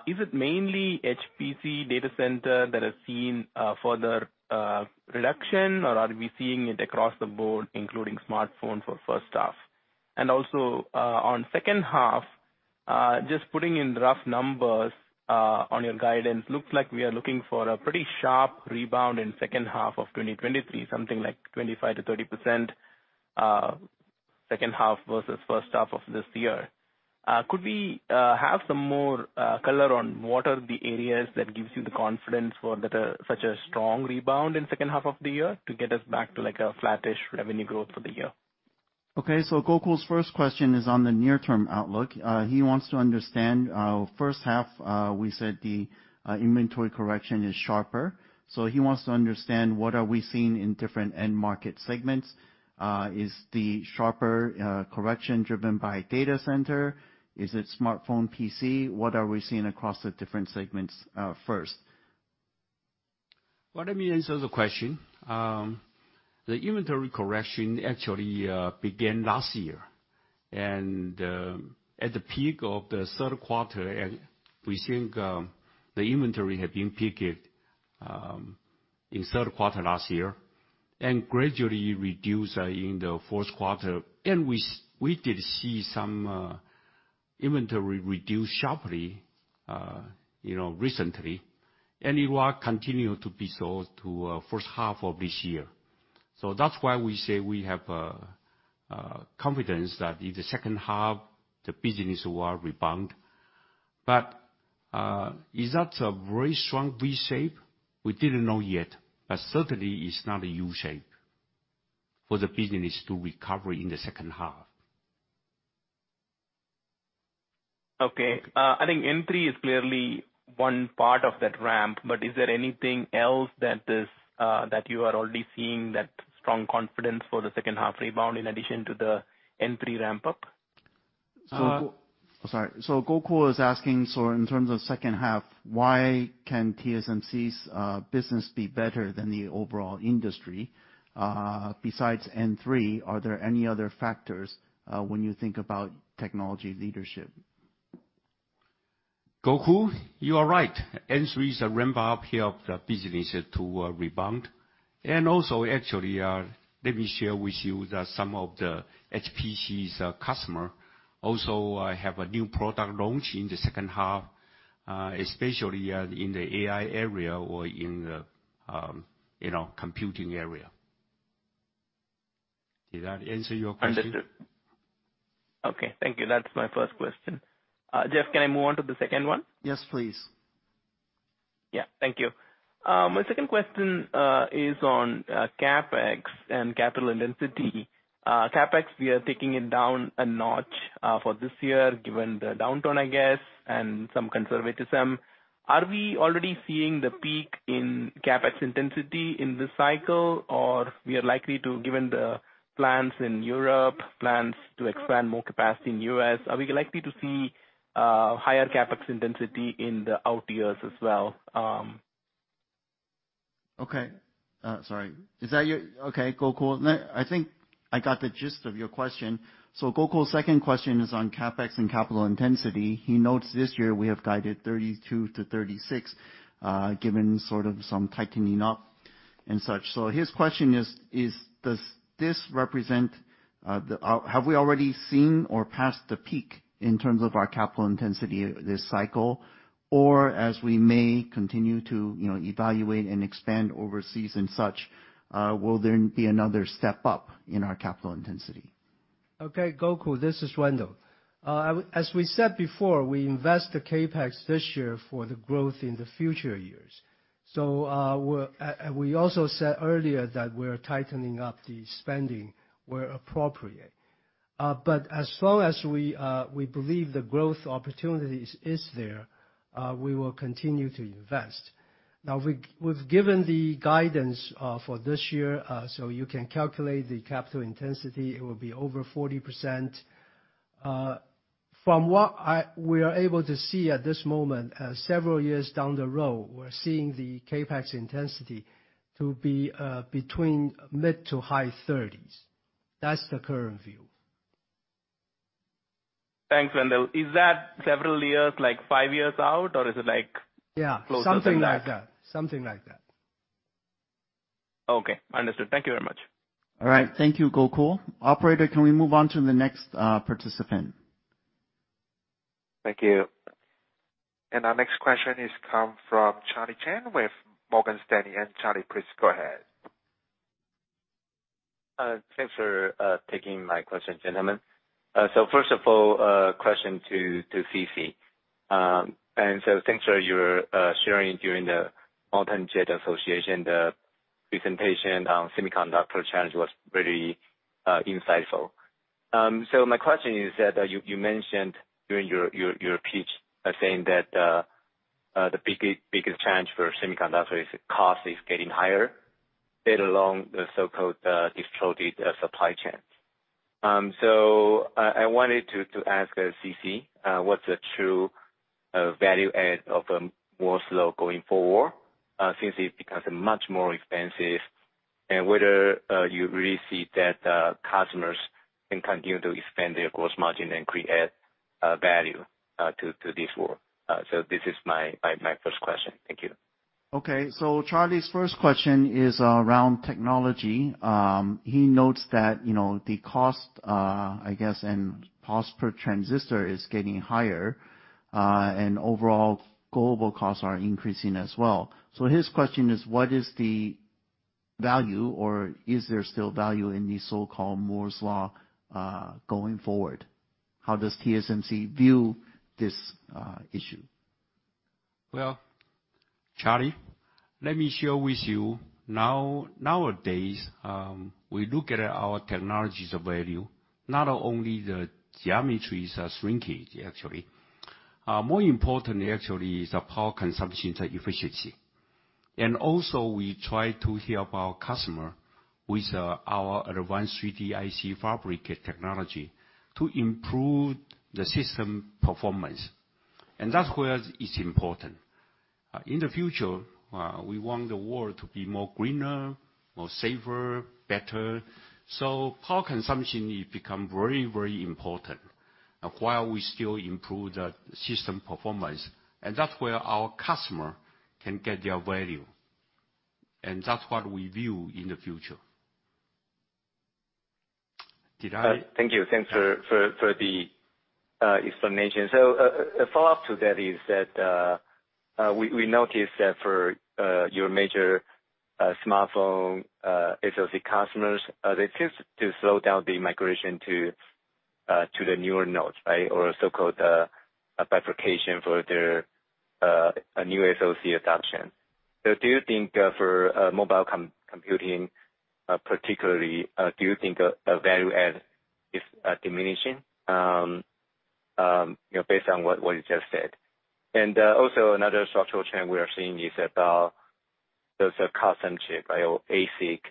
Is it mainly HPC data center that has seen further reduction, or are we seeing it across the board, including smartphone for first half? Also, on second half, just putting in rough numbers on your guidance, looks like we are looking for a pretty sharp rebound in second half of 2023, something like 25%-30% second half versus first half of this year. Could we have some more color on what are the areas that gives you the confidence for that such a strong rebound in second half of the year to get us back to like a flattish revenue growth for the year? Okay. Gokul's first question is on the near term outlook. He wants to understand first half. We said the inventory correction is sharper. He wants to understand what are we seeing in different end market segments. Is the sharper correction driven by data center? Is it smartphone, PC? What are we seeing across the different segments first? Well, let me answer the question. The inventory correction actually began last year. At the peak of the third quarter, and we think, the inventory had been peaked in third quarter last year, and gradually reduce in the fourth quarter. We did see some inventory reduce sharply, you know, recently. It will continue to be so to first half of this year. That's why we say we have confidence that in the second half the business will rebound. Is that a very strong V shape? We didn't know yet, but certainly it's not a U shape for the business to recover in the second half. Okay. I think N3 is clearly one part of that ramp, but is there anything else that is, that you are already seeing that strong confidence for the second half rebound in addition to the N3 ramp-up? So Go- Uh- Sorry. Gokul was asking, so in terms of second half, why can TSMC's business be better than the overall industry, besides N3? Are there any other factors when you think about technology leadership? Gokul, you are right. N3's ramp-up helped the business to rebound. Also actually, let me share with you that some of the HPC's customer also have a new product launch in the second half, especially in the AI area or in, you know, computing area. Did that answer your question? Understood. Okay. Thank you. That's my first question. Jeff, can I move on to the second one? Yes, please. Yeah. Thank you. My second question is on CapEx and capital intensity. CapEx, we are taking it down a notch for this year, given the downturn, I guess, and some conservatism. Are we already seeing the peak in CapEx intensity in this cycle? Or given the plans in Europe, plans to expand more capacity in U.S., are we likely to see higher CapEx intensity in the out years as well? Okay. Sorry. Okay, Gokul. I think I got the gist of your question. Gokul's second question is on CapEx and capital intensity. He notes this year we have guided $32-$36 given sort of some tightening up and such. His question is, does this represent, have we already seen or passed the peak in terms of our capital intensity this cycle? As we may continue to, you know, evaluate and expand overseas and such, will there be another step up in our capital intensity? Okay, Gokul, this is Wendell. As we said before, we invest the CapEx this year for the growth in the future years. We also said earlier that we're tightening up the spending where appropriate. As long as we believe the growth opportunities is there, we will continue to invest. We've given the guidance for this year, you can calculate the capital intensity. It will be over 40%. From what we are able to see at this moment, several years down the road, we're seeing the CapEx intensity to be between mid to high 30s. That's the current view. Thanks, Wendell. Is that several years, like five years out? Or is it like? Yeah. Closer to that? Something like that. Something like that. Okay, understood. Thank you very much. All right. Thank you, Gokul. Operator, can we move on to the next participant? Thank you. Our next question is come from Charlie Chan with Morgan Stanley. Charlie, please go ahead. Thanks for taking my question, gentlemen. First of all, a question to C.C. Thanks for your sharing during the Mountain Jet Association. The presentation on semiconductor challenge was very insightful. My question is that you mentioned during your pitch by saying that the biggest challenge for semiconductor is the cost is getting higher let alone the so-called disrupted supply chains. I wanted to ask C.C. what's the true value add of Moore's Law going forward since it becomes much more expensive? And whether you really see that customers can continue to expand their gross margin and create value to this work? This is my first question. Thank you. Okay. Charlie's first question is around technology. He notes that, you know, the cost, I guess, and cost per transistor is getting higher, and overall global costs are increasing as well. His question is what is the value or is there still value in the so-called Moore's Law going forward? How does TSMC view this issue? Well, Charlie, let me share with you nowadays, we look at our technology's value, not only the geometries are shrinking actually. More importantly actually is the power consumption efficiency. Also we try to help our customer with our advanced 3D IC fabricate technology to improve the system performance. That's where it's important. In the future, we want the world to be more greener, more safer, better, power consumption it become very important while we still improve the system performance. That's where our customer can get their value. That's what we view in the future. Thank you. Thanks for the explanation. A follow-up to that is that we noticed that for your major smartphone SoC customers, they tend to slow down the migration to the newer nodes, right, or so-called a fabrication for their new SoC adoption? Do you think for mobile computing, particularly, do you think value add is diminishing, you know, based on what you just said? Also another structural trend we are seeing is about those custom chip or ASIC,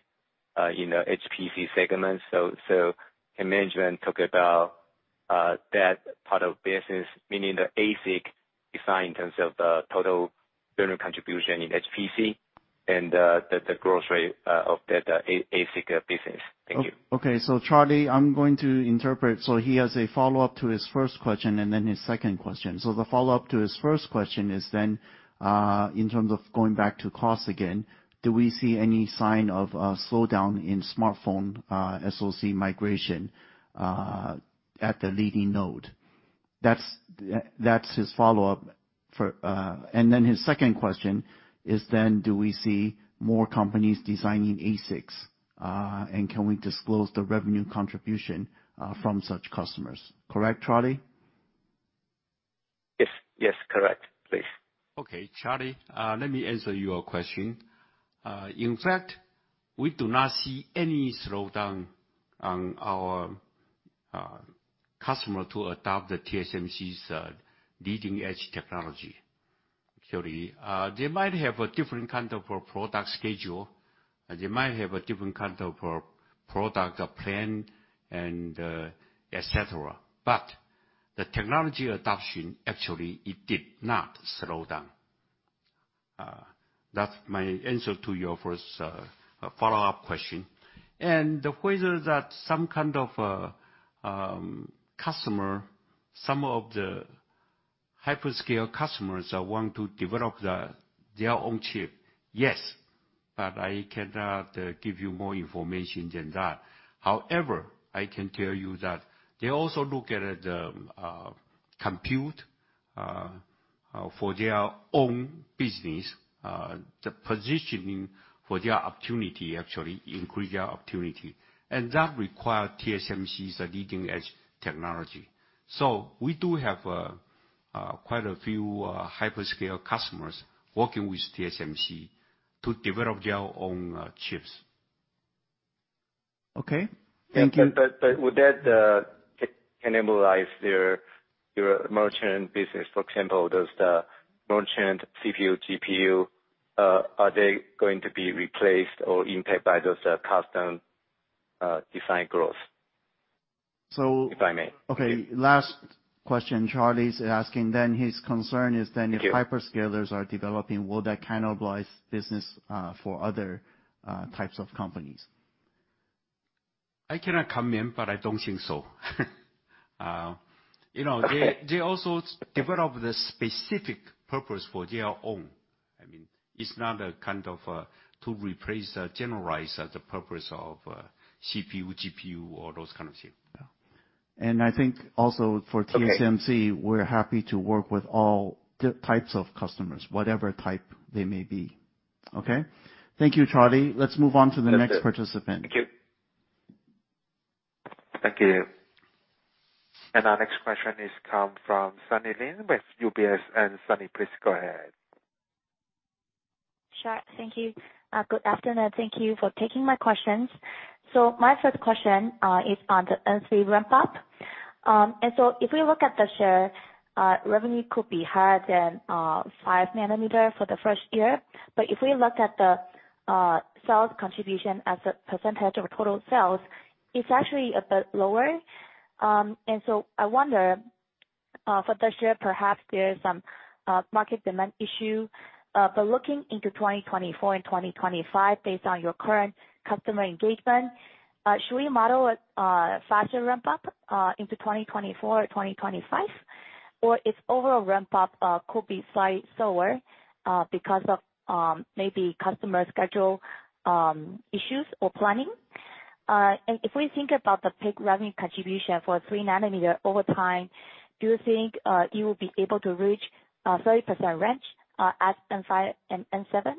you know, HPC segments. Can management talk about that part of business, meaning the ASIC design in terms of the total revenue contribution in HPC and the growth rate of that ASIC business? Thank you. Okay. Charlie, I'm going to interpret. He has a follow-up to his first question and then his second question. The follow-up to his first question is then in terms of going back to costs again, do we see any sign of a slowdown in smartphone SoC migration at the leading node? That's his follow-up for. His second question is then do we see more companies designing ASICs, and can we disclose the revenue contribution from such customers? Correct, Charlie? Yes. Yes, correct. Please. Okay. Charlie, let me answer your question. In fact, we do not see any slowdown on our customer to adopt the TSMC's leading-edge technology, actually. They might have a different kind of a product schedule, and they might have a different kind of a product plan, and etc. The technology adoption, actually, it did not slow down. That's my answer to your first follow-up question. Whether that some kind of customer, some of the hyperscale customers are wanting to develop their own chip? Yes, but I cannot give you more information than that. However, I can tell you that they also look at the compute for their own business. The positioning for their opportunity actually increase their opportunity. That require TSMC's leading-edge technology. We do have quite a few hyperscale customers working with TSMC to develop their own chips. Okay. Thank you. Would that cannibalize their, your merchant business, for example, does the merchant CPU, GPU, are they going to be replaced or impacted by those custom design growth? So- If I may. Okay. Last question Charlie Chan's asking then. His concern is. Thank you. If hyperscalers are developing, will that cannibalize business for other types of companies? I cannot comment, but I don't think so. you know, they also develop the specific purpose for their own. I mean, it's not a kind of to replace the generalized as a purpose of CPU, GPU, or those kind of thing. Yeah. I think also. Okay. TSMC, we're happy to work with all the types of customers, whatever type they may be. Okay? Thank you, Charlie. Let's move on to the next participant. Thank you. Thank you. Our next question is come from Sunny Lin with UBS. Sunny, please go ahead. Sure. Thank you. Good afternoon. Thank you for taking my questions. My first question is on the N3 ramp-up. If we look at the share, revenue could be higher than 5 nm for the first year. If we look at the sales contribution as a % of total sales, it's actually a bit lower. I wonder, for this year, perhaps there's some market demand issue. Looking into 2024 and 2025 based on your current customer engagement, should we model a faster ramp-up into 2024 or 2025? If overall ramp-up could be slightly slower because of maybe customer schedule issues or planning. If we think about the peak revenue contribution for 3 nm over time, do you think you will be able to reach 30% range at N5 and N7?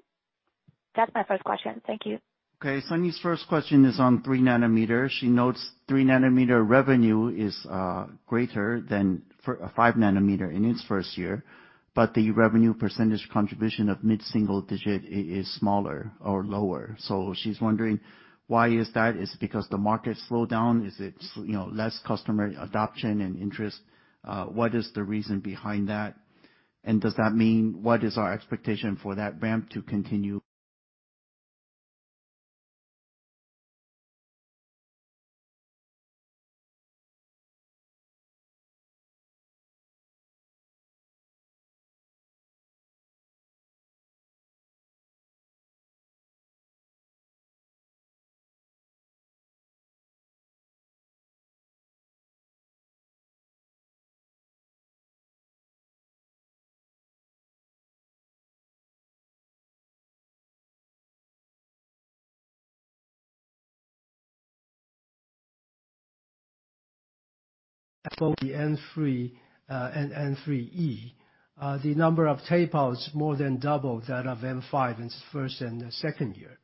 That's my first question. Thank you. Sunny Lin's first question is on 3 nm. She notes 3 nm revenue is greater than for 5 nm in its first year, but the revenue percentage contribution of mid-single digit is smaller or lower. She's wondering why is that? Is it because the market slowed down? Is it you know, less customer adoption and interest? What is the reason behind that? Does that mean what is our expectation for that ramp to continue? For the N3 and N3E, the number of tape-outs more than double that of N5 in its first and the second year.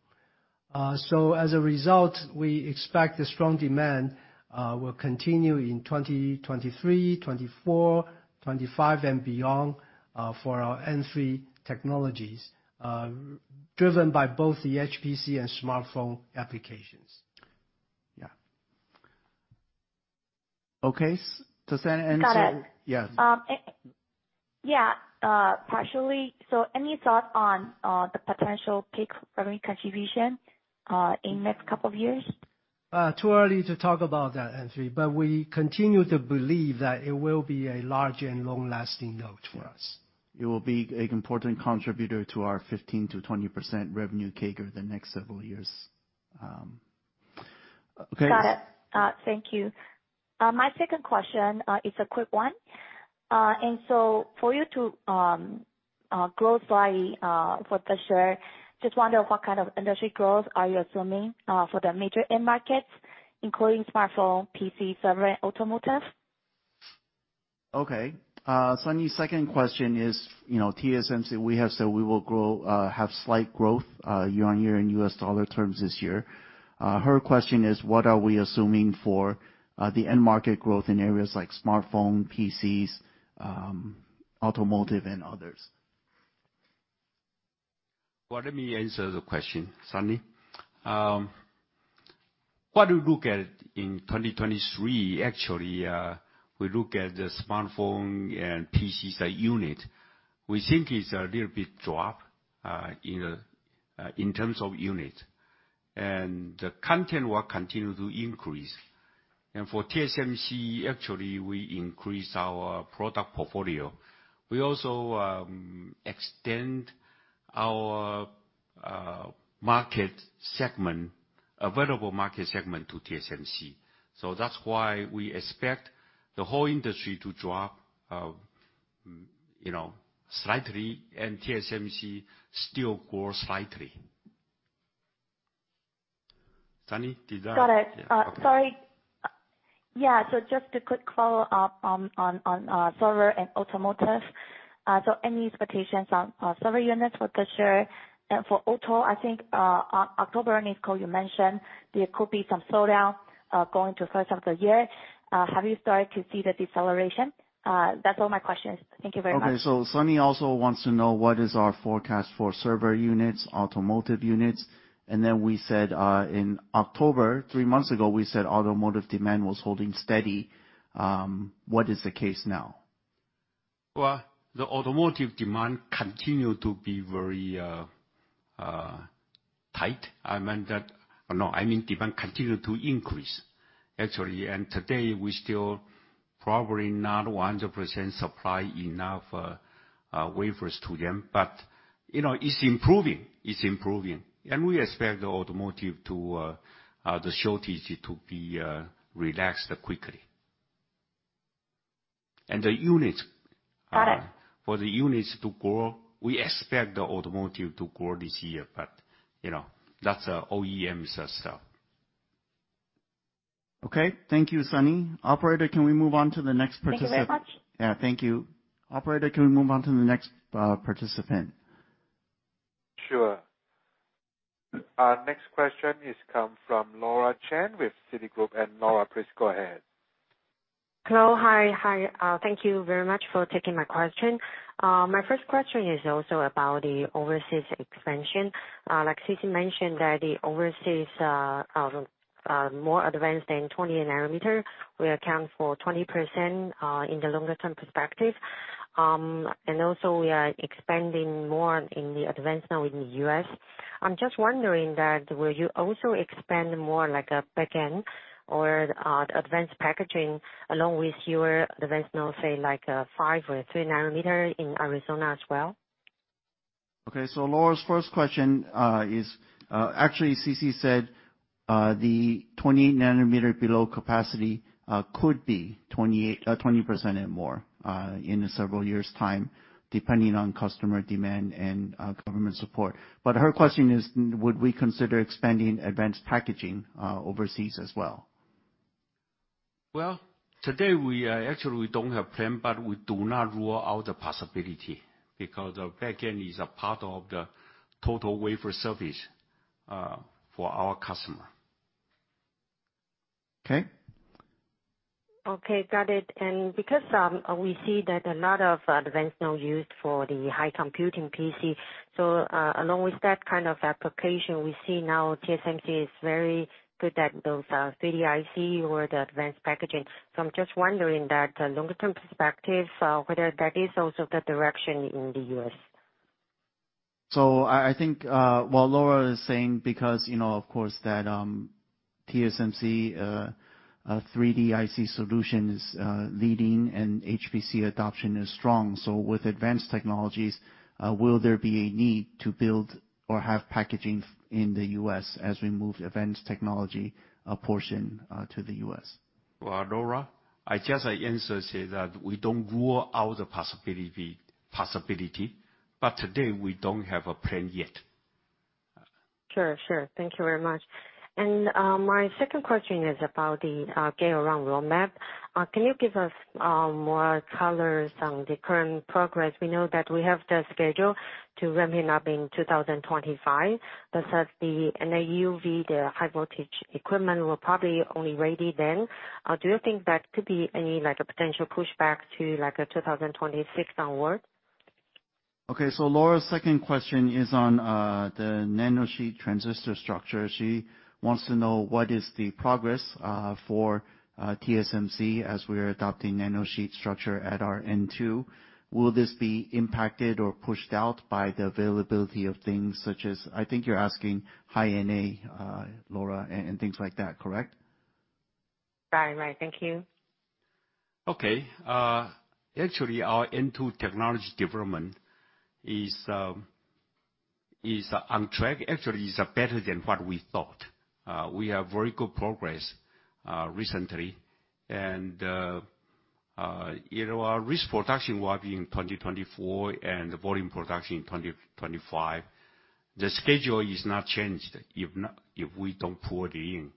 As a result, we expect the strong demand will continue in 2023, 2024, 2025, and beyond for our N3 technologies, driven by both the HPC and smartphone applications. Got it. Yes. Yeah, partially. Any thought on the potential peak revenue contribution in next couple of years? Too early to talk about that, Sunny. We continue to believe that it will be a large and long-lasting node for us. It will be a important contributor to our 15%-20% revenue CAGR the next several years. Okay. Got it. Thank you. My second question, is a quick one. For you to grow slightly, for this year, just wonder what kind of industry growth are you assuming, for the major end markets, including smartphone, PC, server, and automotive? Okay. Sunny's second question is, you know, TSMC, we have said we will grow, have slight growth, year-on-year in US dollar terms this year. Her question is what are we assuming for the end market growth in areas like smartphone, PCs, automotive and others? Well, let me answer the question, Sunny. What we look at in 23, actually, we look at the smartphone and PCs by unit. We think it's a little bit drop in terms of unit. The content will continue to increase. For TSMC, actually, we increase our product portfolio. We also extend our market segment, available market segment to TSMC. That's why we expect the whole industry to drop, you know, slightly and TSMC still grow slightly. Got it. Yeah. Sorry. Yeah, so just a quick follow-up on server and automotive. Any expectations on server units for this year? For auto, I think, October earnings call you mentioned there could be some slowdown going to first of the year. Have you started to see the deceleration? That's all my questions. Thank you very much. Sunny also wants to know what is our forecast for server units, automotive units. We said in October, three months ago, we said automotive demand was holding steady. What is the case now? Well, the automotive demand continue to be very tight. I mean, demand continue to increase, actually. Today, we still probably not 100% supply enough wafers to them. You know, it's improving. It's improving. We expect the automotive to the shortage to be relaxed quickly. The units- Got it. For the units to grow, we expect the automotive to grow this year. You know, that's OEM's stuff. Okay. Thank you, Sunny. Operator, can we move on to the next participant? Thank you very much. Thank you. Operator, can we move on to the next participant? Sure. Our next question is come from Laura Chen with Citigroup. Laura, please go ahead. Hello. Hi. Hi, thank you very much for taking my question. My first question is also about the overseas expansion. Like C.C. mentioned that the overseas, more advanced than 20 nm will account for 20% in the longer term perspective. Also we are expanding more in the advancement with the U.S. I'm just wondering that will you also expand more like a backend or advanced packaging along with your advanced node, say, like, five or three nm in Arizona as well? Laura's first question, is, actually CC said, the 20 nm below capacity, could be 20% more, in a several years' time, depending on customer demand and, government support. Her question is, would we consider expanding advanced packaging, overseas as well? Today we, actually don't have plan, but we do not rule out the possibility because our backend is a part of the total wafer service, for our customer. Okay, got it. Because we see that a lot of advanced node used for the high computing PC, along with that kind of application, we see now TSMC is very good at those 3D IC or the advanced packaging. I'm just wondering that longer term perspective, whether that is also the direction in the U.S. I think, what Laura is saying, because, you know, of course that, TSMC 3D IC solution is leading and HPC adoption is strong. With advanced technologies, will there be a need to build or have packaging in the U.S. as we move advanced technology portion to the U.S.? Well, Laura, I just answer say that we don't rule out the possibility. Today, we don't have a plan yet. Sure. Sure. Thank you very much. My second question is about the Gate-All-Around roadmap. Can you give us more colors on the current progress? We know that we have the schedule to ramp it up in 2025. As the NA EUV, the high voltage equipment will probably only ready then, do you think that could be any, like, a potential pushback to, like, 2026 onward? Laura's second question is on the nanosheet transistor structure. She wants to know what is the progress for TSMC as we're adopting nanosheet structure at our N2. Will this be impacted or pushed out by the availability of things such as, I think you're asking High NA, Laura, and things like that, correct? Right. Right. Thank you. Okay. Actually, our N2 technology development is on track. Actually, it's better than what we thought. We have very good progress recently. You know, our risk production will be in 2024, and the volume production in 2025. The schedule is not changed if we don't pull it in.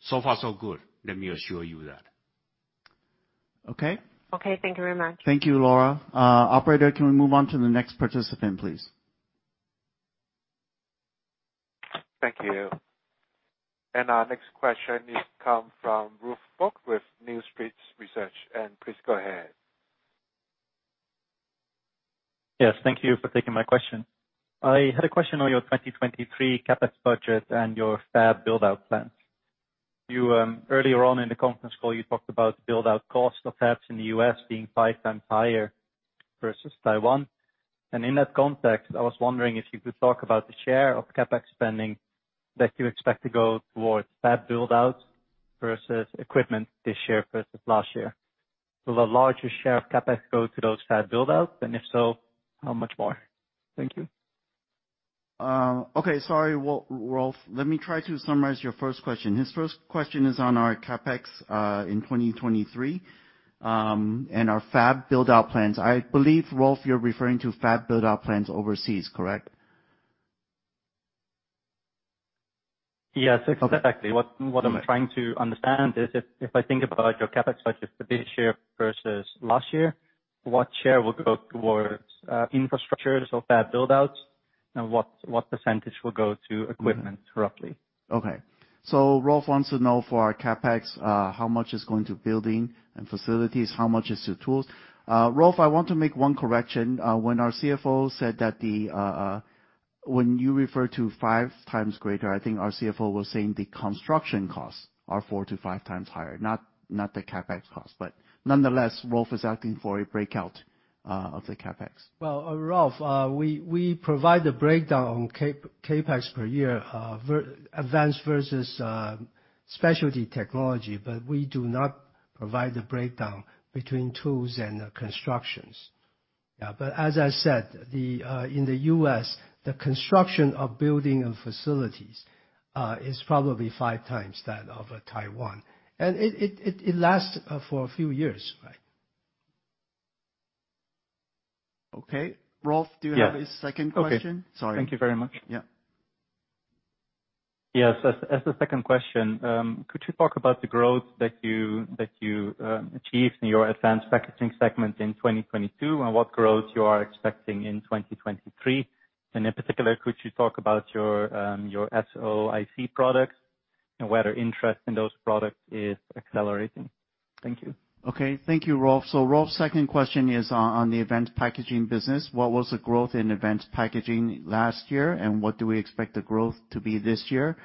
So far so good, let me assure you that. Okay? Okay. Thank you very much. Thank you, Laura. Operator, can we move on to the next participant, please? Thank you. Our next question is come from Rolf Bulk with New Street Research. Please go ahead. Yes, thank you for taking my question. I had a question on your 2023 CapEx budget and your fab build-out plans. You earlier on in the conference call, you talked about build-out cost of fabs in the U.S. being five times higher versus Taiwan. In that context, I was wondering if you could talk about the share of CapEx spending that you expect to go towards fab build-out versus equipment this year versus last year. Will the largest share of CapEx go to those fab build-outs, and if so, how much more? Thank you. Okay. Sorry, Rolf. Let me try to summarize your first question. His first question is on our CapEx in 2023 and our fab build-out plans. I believe, Rolf, you're referring to fab build-out plans overseas, correct? Yes, exactly. Okay. What I'm trying to understand is if I think about your CapEx budget for this year versus last year, what share will go towards infrastructure so fab build-outs, and what percentage will go to equipment roughly? Okay. Rolf wants to know for our CapEx, how much is going to building and facilities, how much is to tools. Rolf, I want to make one correction. When our CFO said that the, when you refer to five times greater, I think our CFO was saying the construction costs are four to five times higher, not the CapEx costs. Nonetheless, Rolf is asking for a breakout of the CapEx. Well, Rolf, we provide the breakdown on CapEx per year, advance versus specialty technology, but we do not provide the breakdown between tools and constructions. Yeah, but as I said, in the U.S., the construction of building and facilities is probably five times that of Taiwan. It lasts for a few years, right? Okay. Rolf, do you have a second question? Okay. Sorry. Thank you very much. Yeah. Yes. As the second question, could you talk about the growth that you achieved in your advanced packaging segment in 2022, and what growth you are expecting in 2023? In particular, could you talk about your SOIC products and whether interest in those products is accelerating? Thank you. Thank you, Rolf. Rolf's second question is on the advanced packaging business. What was the growth in advanced packaging last year, and what do we expect the growth to be this year?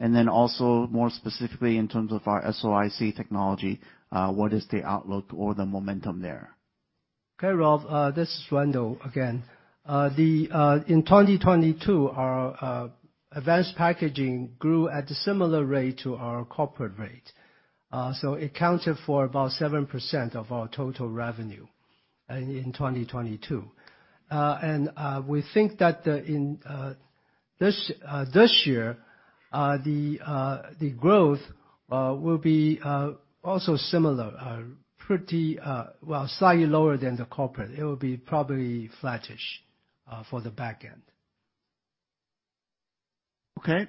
Also, more specifically in terms of our SOIC technology, what is the outlook or the momentum there? Okay, Rolf, this is Wendell again. In 2022, our advanced packaging grew at a similar rate to our corporate rate. It accounted for about 7% of our total revenue in 2022. We think that in this year, the growth will be also similar, pretty, well, slightly lower than the corporate. It will be probably flattish for the back end. Okay.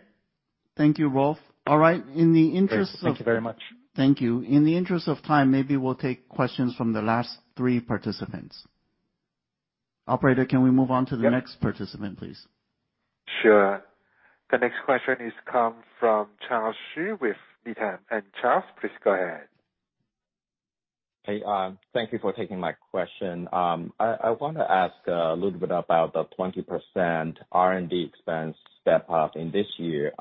Thank you, Rolf. All right. Great. Thank you very much. Thank you. In the interest of time, maybe we'll take questions from the last three participants. Operator, can we move on to the next participant, please? Sure. The next question is come from Charles Shi with Needham & Company. Charles, please go ahead. Thank you for taking my question. I wanna ask a little bit about the 20% R&D expense step-up in this year.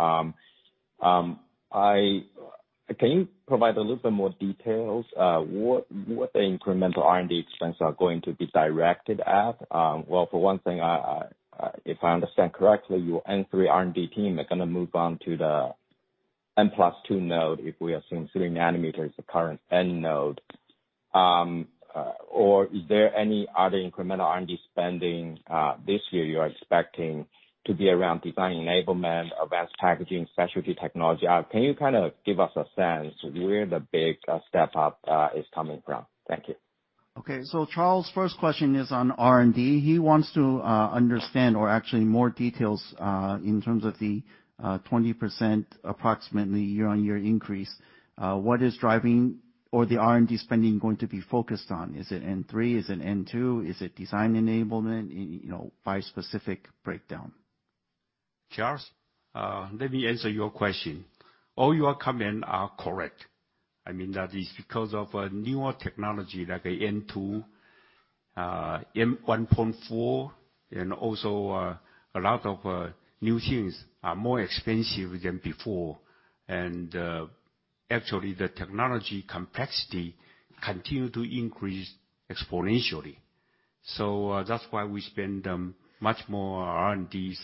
Can you provide a little bit more details what the incremental R&D expense are going to be directed at? Well, for one thing, I, if I understand correctly, your N3 R&D team are gonna move on to the M+2 node, if we assume 3 nm is the current N node. Is there any other incremental R&D spending this year you are expecting to be around design enablement, advanced packaging, specialty technology? Can you kind of give us a sense where the big step-up is coming from? Thank you. Okay. Charles's first question is on R&D. He wants to understand or actually more details in terms of the 20% approximately year-on-year increase. What is driving or the R&D spending going to be focused on? Is it N3? Is it N2? Is it design enablement? You know, by specific breakdown. Charles, let me answer your question. All your comment are correct. I mean that it's because of a newer technology like a N2, A14, and also, a lot of, new things are more expensive than before. Actually, the technology complexity continue to increase exponentially. That's why we spend much more R&D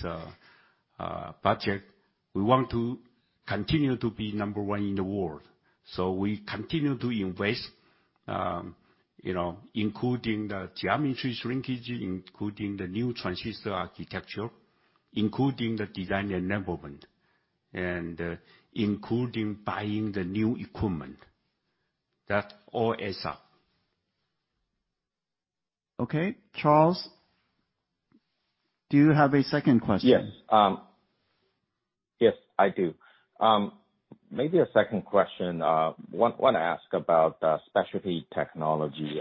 budget. We want to continue to be number one in the world, so we continue to invest, you know, including the geometry shrinkage, including the new transistor architecture, including the design enablement, and, including buying the new equipment. That all adds up. Okay. Charles, do you have a second question? Yes. Yes, I do. Maybe a second question. want to ask about specialty technology.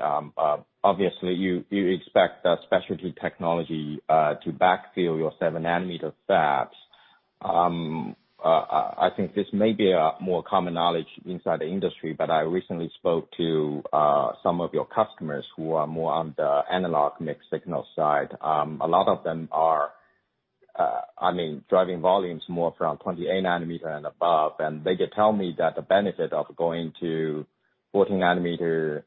obviously, you expect the specialty technology to backfill your 7 nm fabs. I think this may be a more common knowledge inside the industry, but I recently spoke to some of your customers who are more on the analog mixed signal side. A lot of them are, I mean, driving volumes more from 28 nm and above, and they tell me that the benefit of going to 14 nm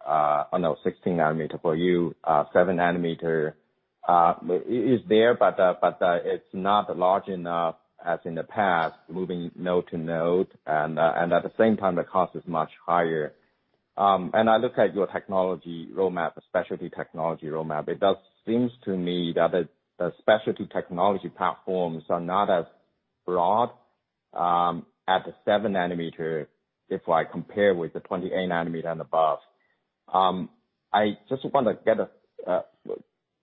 or 16 nm for you, 7 nm, but it's not large enough as in the past, moving node to node. At the same time, the cost is much higher. I look at your technology roadmap, the specialty technology roadmap, it does seems to me that the specialty technology platforms are not as broad at the 7 nm if I compare with the 28 nm and above. I just want to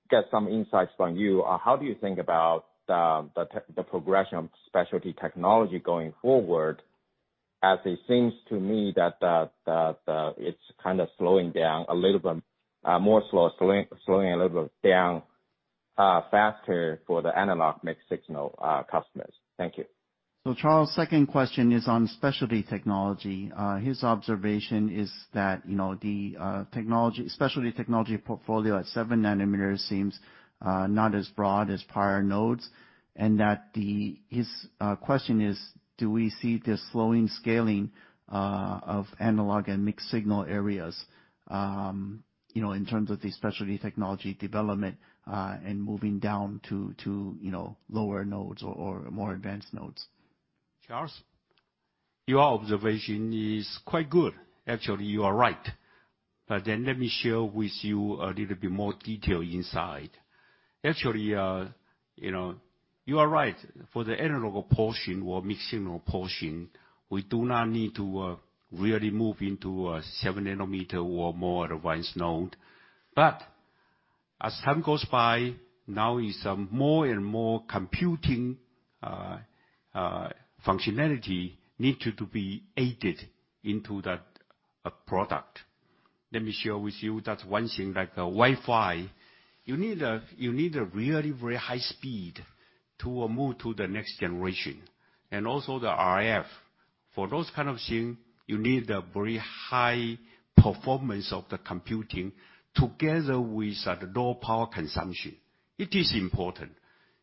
get some insights from you on how do you think about the progression of specialty technology going forward, as it seems to me that the it's kind of slowing down a little bit, slowing a little bit down faster for the analog mixed signal customers. Thank you. Charles, second question is on specialty technology. His observation is that, you know, the technology, specialty technology portfolio at 7 nm seems not as broad as prior nodes. His question is, do we see this slowing scaling of analog and mixed signal areas, you know, in terms of the specialty technology development, and moving down to, you know, lower nodes or more advanced nodes? Charles, your observation is quite good. Actually, you are right. Let me share with you a little bit more detail inside. Actually, you know, you are right. For the analog portion or mixed signal portion, we do not need to really move into a 7 nm or more advanced node. As time goes by, now is more and more computing functionality needed to be added into that product. Let me share with you that one thing, like Wi-Fi, you need a, you need a really very high speed to move to the next generation, and also the RF. For those kind of thing, you need a very high performance of the computing together with the low power consumption. It is important.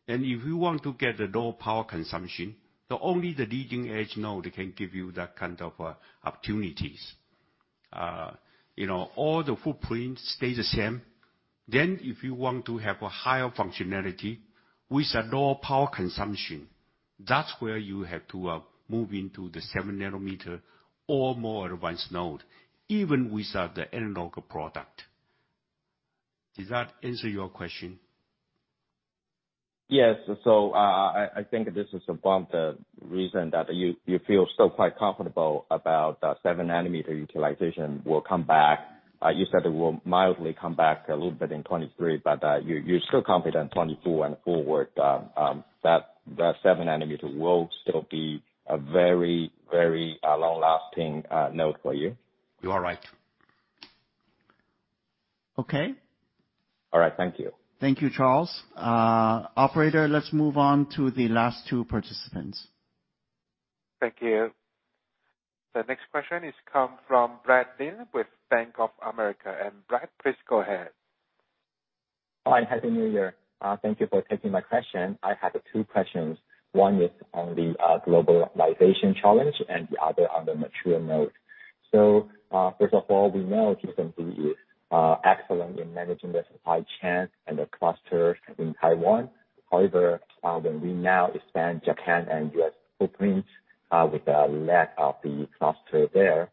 If you want to get the low power consumption, the only the leading edge node can give you that kind of opportunities. You know, all the footprint stay the same. If you want to have a higher functionality with a low power consumption, that's where you have to move into the 7 nm or more advanced node, even with the analog product. Does that answer your question? Yes. I think this is about the reason that you feel so quite comfortable about the 7 nm utilization will come back. You said it will mildly come back a little bit in 2023, but you're still confident 2024 and forward, that the 7 nm will still be a very long-lasting node for you. You are right. Okay. All right. Thank you. Thank you, Charles. Operator, let's move on to the last two participants. Thank you. The next question is come from Brad Lin with Bank of America. Brad, please go ahead. Hi, Happy New Year. Thank you for taking my question. I have two questions. One is on the globalization challenge and the other on the mature node. First of all, we know TSMC is excellent in managing the supply chain and the cluster in Taiwan. However, when we now expand Japan and U.S. footprint, with the lack of the cluster there,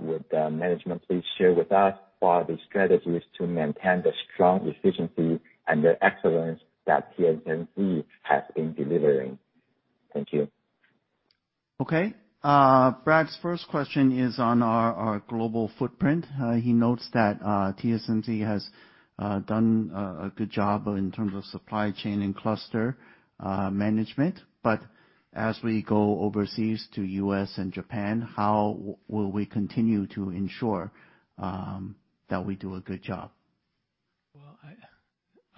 would management please share with us what are the strategies to maintain the strong efficiency and the excellence that TSMC has been delivering? Thank you. Okay. Brad's first question is on our global footprint. He notes that TSMC has done a good job in terms of supply chain and cluster management. As we go overseas to U.S. and Japan, how will we continue to ensure that we do a good job? Well,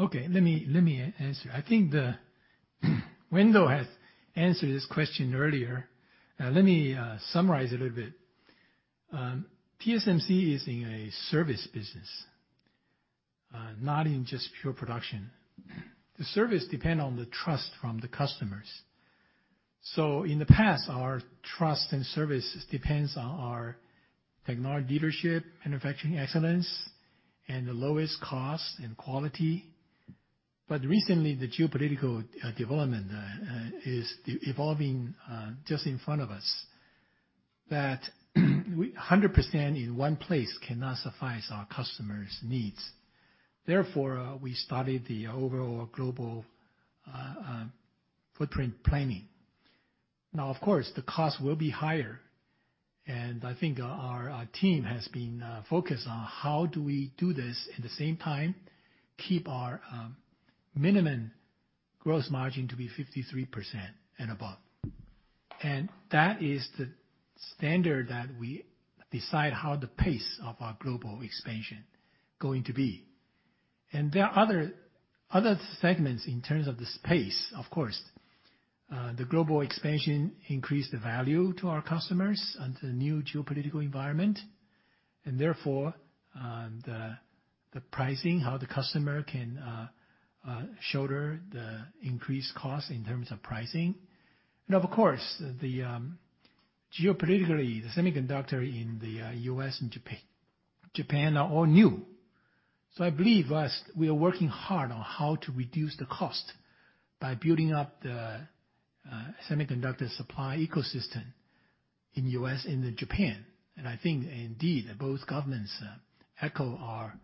Okay, let me answer. I think Wendell has answered this question earlier. Let me summarize a little bit. TSMC is in a service business, not in just pure production. The service depend on the trust from the customers. In the past, our trust and service depends on our technology leadership, manufacturing excellence, and the lowest cost and quality. Recently, the geopolitical development is evolving just in front of us, that we 100% in one place cannot suffice our customers' needs. Therefore, we started the overall global footprint planning. Now, of course, the cost will be higher, and I think our team has been focused on how do we do this, at the same time, keep our minimum gross margin to be 53% and above. That is the standard that we decide how the pace of our global expansion going to be. There are other segments in terms of the space, of course. The global expansion increase the value to our customers under the new geopolitical environment, and therefore, the pricing, how the customer can shoulder the increased cost in terms of pricing. Of course, geopolitically, the semiconductor in the U.S. And Japan are all new. I believe us, we are working hard on how to reduce the cost by building up the semiconductor supply ecosystem in U.S. and in Japan. I think indeed, both governments echo our.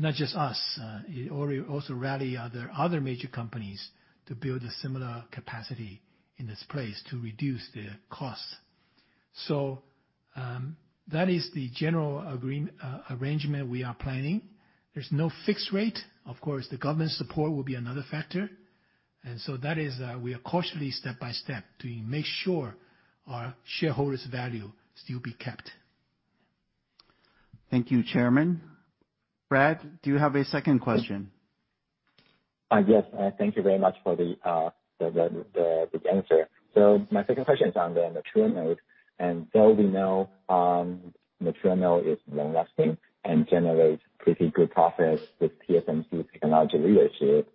Not just us, it also rally other major companies to build a similar capacity in this place to reduce the costs. That is the general arrangement we are planning. There's no fixed rate. Of course, the government support will be another factor. That is, we are cautiously step-by-step to make sure our shareholders' value still be kept. Thank you, Chairman. Brad, do you have a second question? Yes. Thank you very much for the answer. My second question is on the mature node. Though we know mature node is non-lasting and generates pretty good profits with TSMC's technology leadership.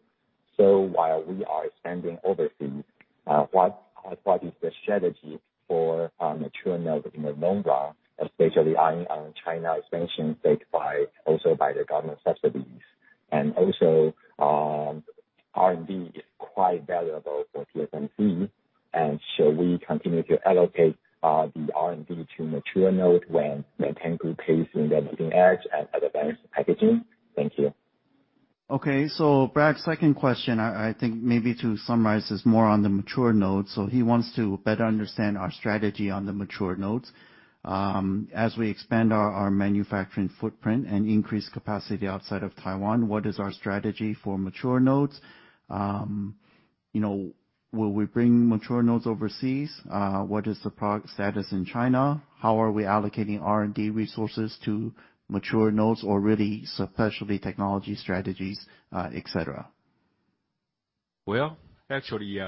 While we are expanding overseas, what is the strategy for our mature node in the long run, especially on China expansion take by, also by the government subsidies? Also, R&D is quite valuable for TSMC, and should we continue to allocate the R&D to mature node when maintain good pace in the leading edge and advanced packaging? Thank you. Okay. Brad, second question, I think maybe to summarize, is more on the mature node. He wants to better understand our strategy on the mature nodes. As we expand our manufacturing footprint and increase capacity outside of Taiwan, what is our strategy for mature nodes? You know, will we bring mature nodes overseas? What is the status in China? How are we allocating R&D resources to mature nodes or really specialty technology strategies, etc.? Well, actually,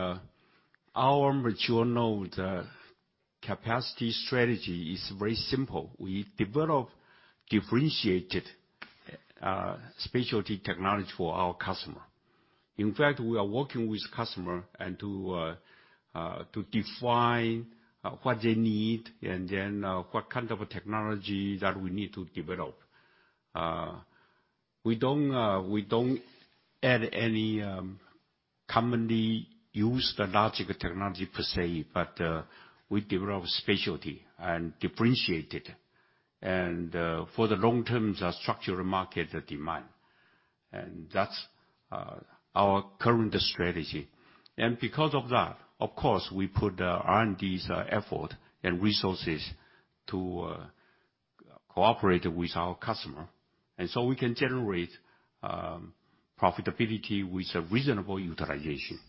our mature node capacity strategy is very simple. We develop differentiated specialty technology for our customer. In fact, we are working with customer and to define what they need and then what kind of a technology that we need to develop. We don't, we don't add any commonly used logical technology per se, but we develop specialty and differentiate it. For the long term, the structural market demand. That's our current strategy. Because of that, of course, we put R&D's effort and resources to cooperate with our customer. We can generate profitability with a reasonable utilization.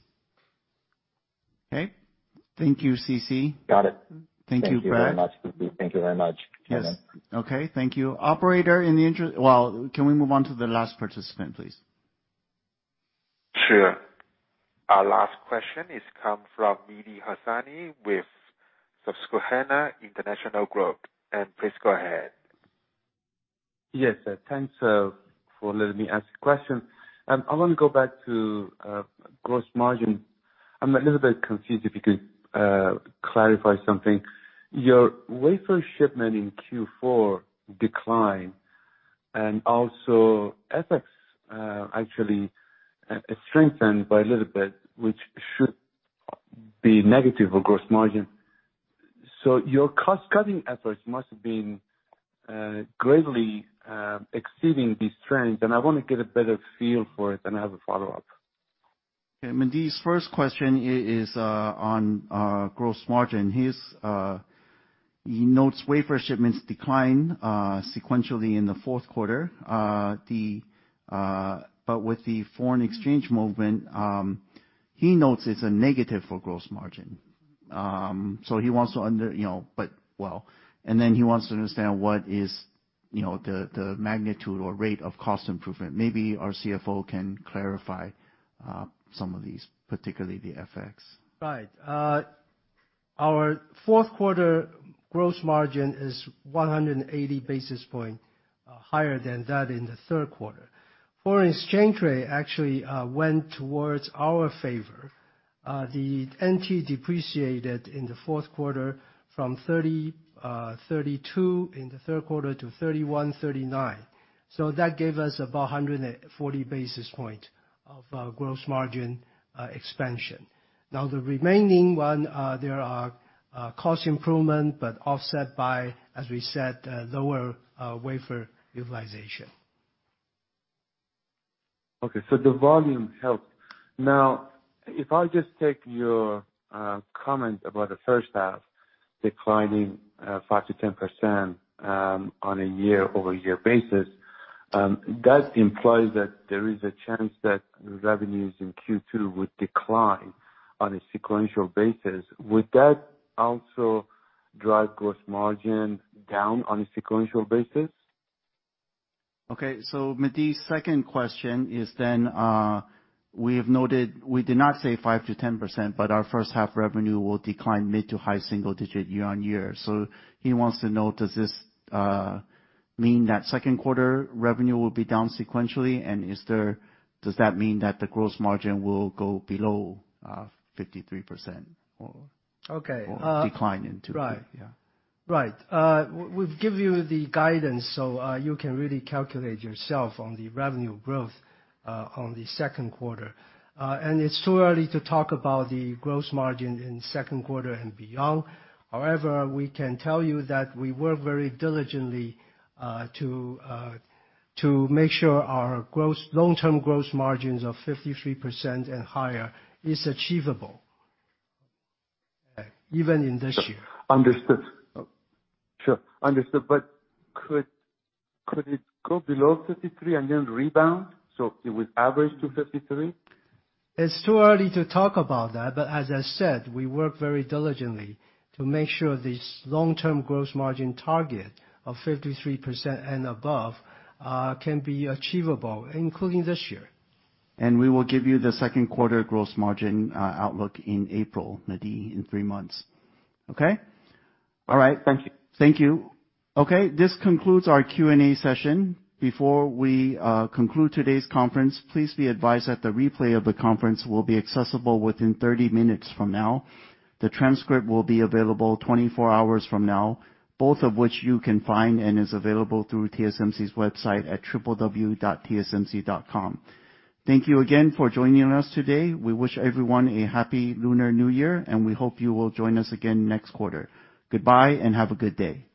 Okay. Thank you, C.C. Got it. Thank you, Brad. Thank you very much. Thank you very much, Chairman. Yes. Okay. Thank you. Operator, can we move on to the last participant, please? Sure. Our last question is come from Mehdi Hosseini with Susquehanna International Group. Please go ahead. Yes. Thanks for letting me ask a question. I wanna go back to gross margin. I'm a little bit confused, if you could clarify something. Your wafer shipment in Q4 declined, and also FX, actually, it strengthened by a little bit, which should be negative for gross margin. Your cost-cutting efforts must have been greatly exceeding these trends. I wanna get a better feel for it. I have a follow-up. Okay. Mehdi's first question is on gross margin. He notes wafer shipments declined sequentially in the fourth quarter. With the foreign exchange movement, he notes it's a negative for gross margin. He wants to understand what is, you know, the magnitude or rate of cost improvement. Maybe our CFO can clarify some of these, particularly the FX. Right. Our fourth quarter gross margin is 180 basis points higher than that in the third quarter. Foreign exchange rate actually went towards our favor. The NT depreciated in the fourth quarter from 32 in the third quarter to 31.39. That gave us about 140 basis points of gross margin expansion. The remaining one, there are cost improvement, but offset by, as we said, lower wafer utilization. The volume helped. Now, if I just take your comment about the first half-declining 5%-10% on a year-over-year basis, that implies that there is a chance that revenues in Q2 would decline on a sequential basis. Would that also drive gross margin down on a sequential basis? Medley's second question is then, we have noted we did not say 5%-10%, but our first half revenue will decline mid to high single digit year-on-year. He wants to know, does this mean that second quarter revenue will be down sequentially? Does that mean that the gross margin will go below 53% or- Okay. Decline into it? Right. Yeah. Right. We've give you the guidance, so, you can really calculate yourself on the revenue growth, on the second quarter. It's too early to talk about the gross margin in second quarter and beyond. However, we can tell you that we work very diligently, to make sure our long-term gross margins of 53% and higher is achievable, even in this year. Understood. Sure. Understood. Could it go below 53 and then rebound so it would average to 53? It's too early to talk about that, but as I said, we work very diligently to make sure this long-term gross margin target of 53% and above, can be achievable, including this year. We will give you the second quarter gross margin outlook in April, Medley, in three months. Okay? All right. Thank you. Thank you. Okay, this concludes our Q&A session. Before we conclude today's conference, please be advised that the replay of the conference will be accessible within 30 minutes from now. The transcript will be available 24 hours from now, both of which you can find and is available through TSMC's website at www.tsmc.com. Thank you again for joining us today. We wish everyone a happy Lunar New Year, and we hope you will join us again next quarter. Goodbye and have a good day.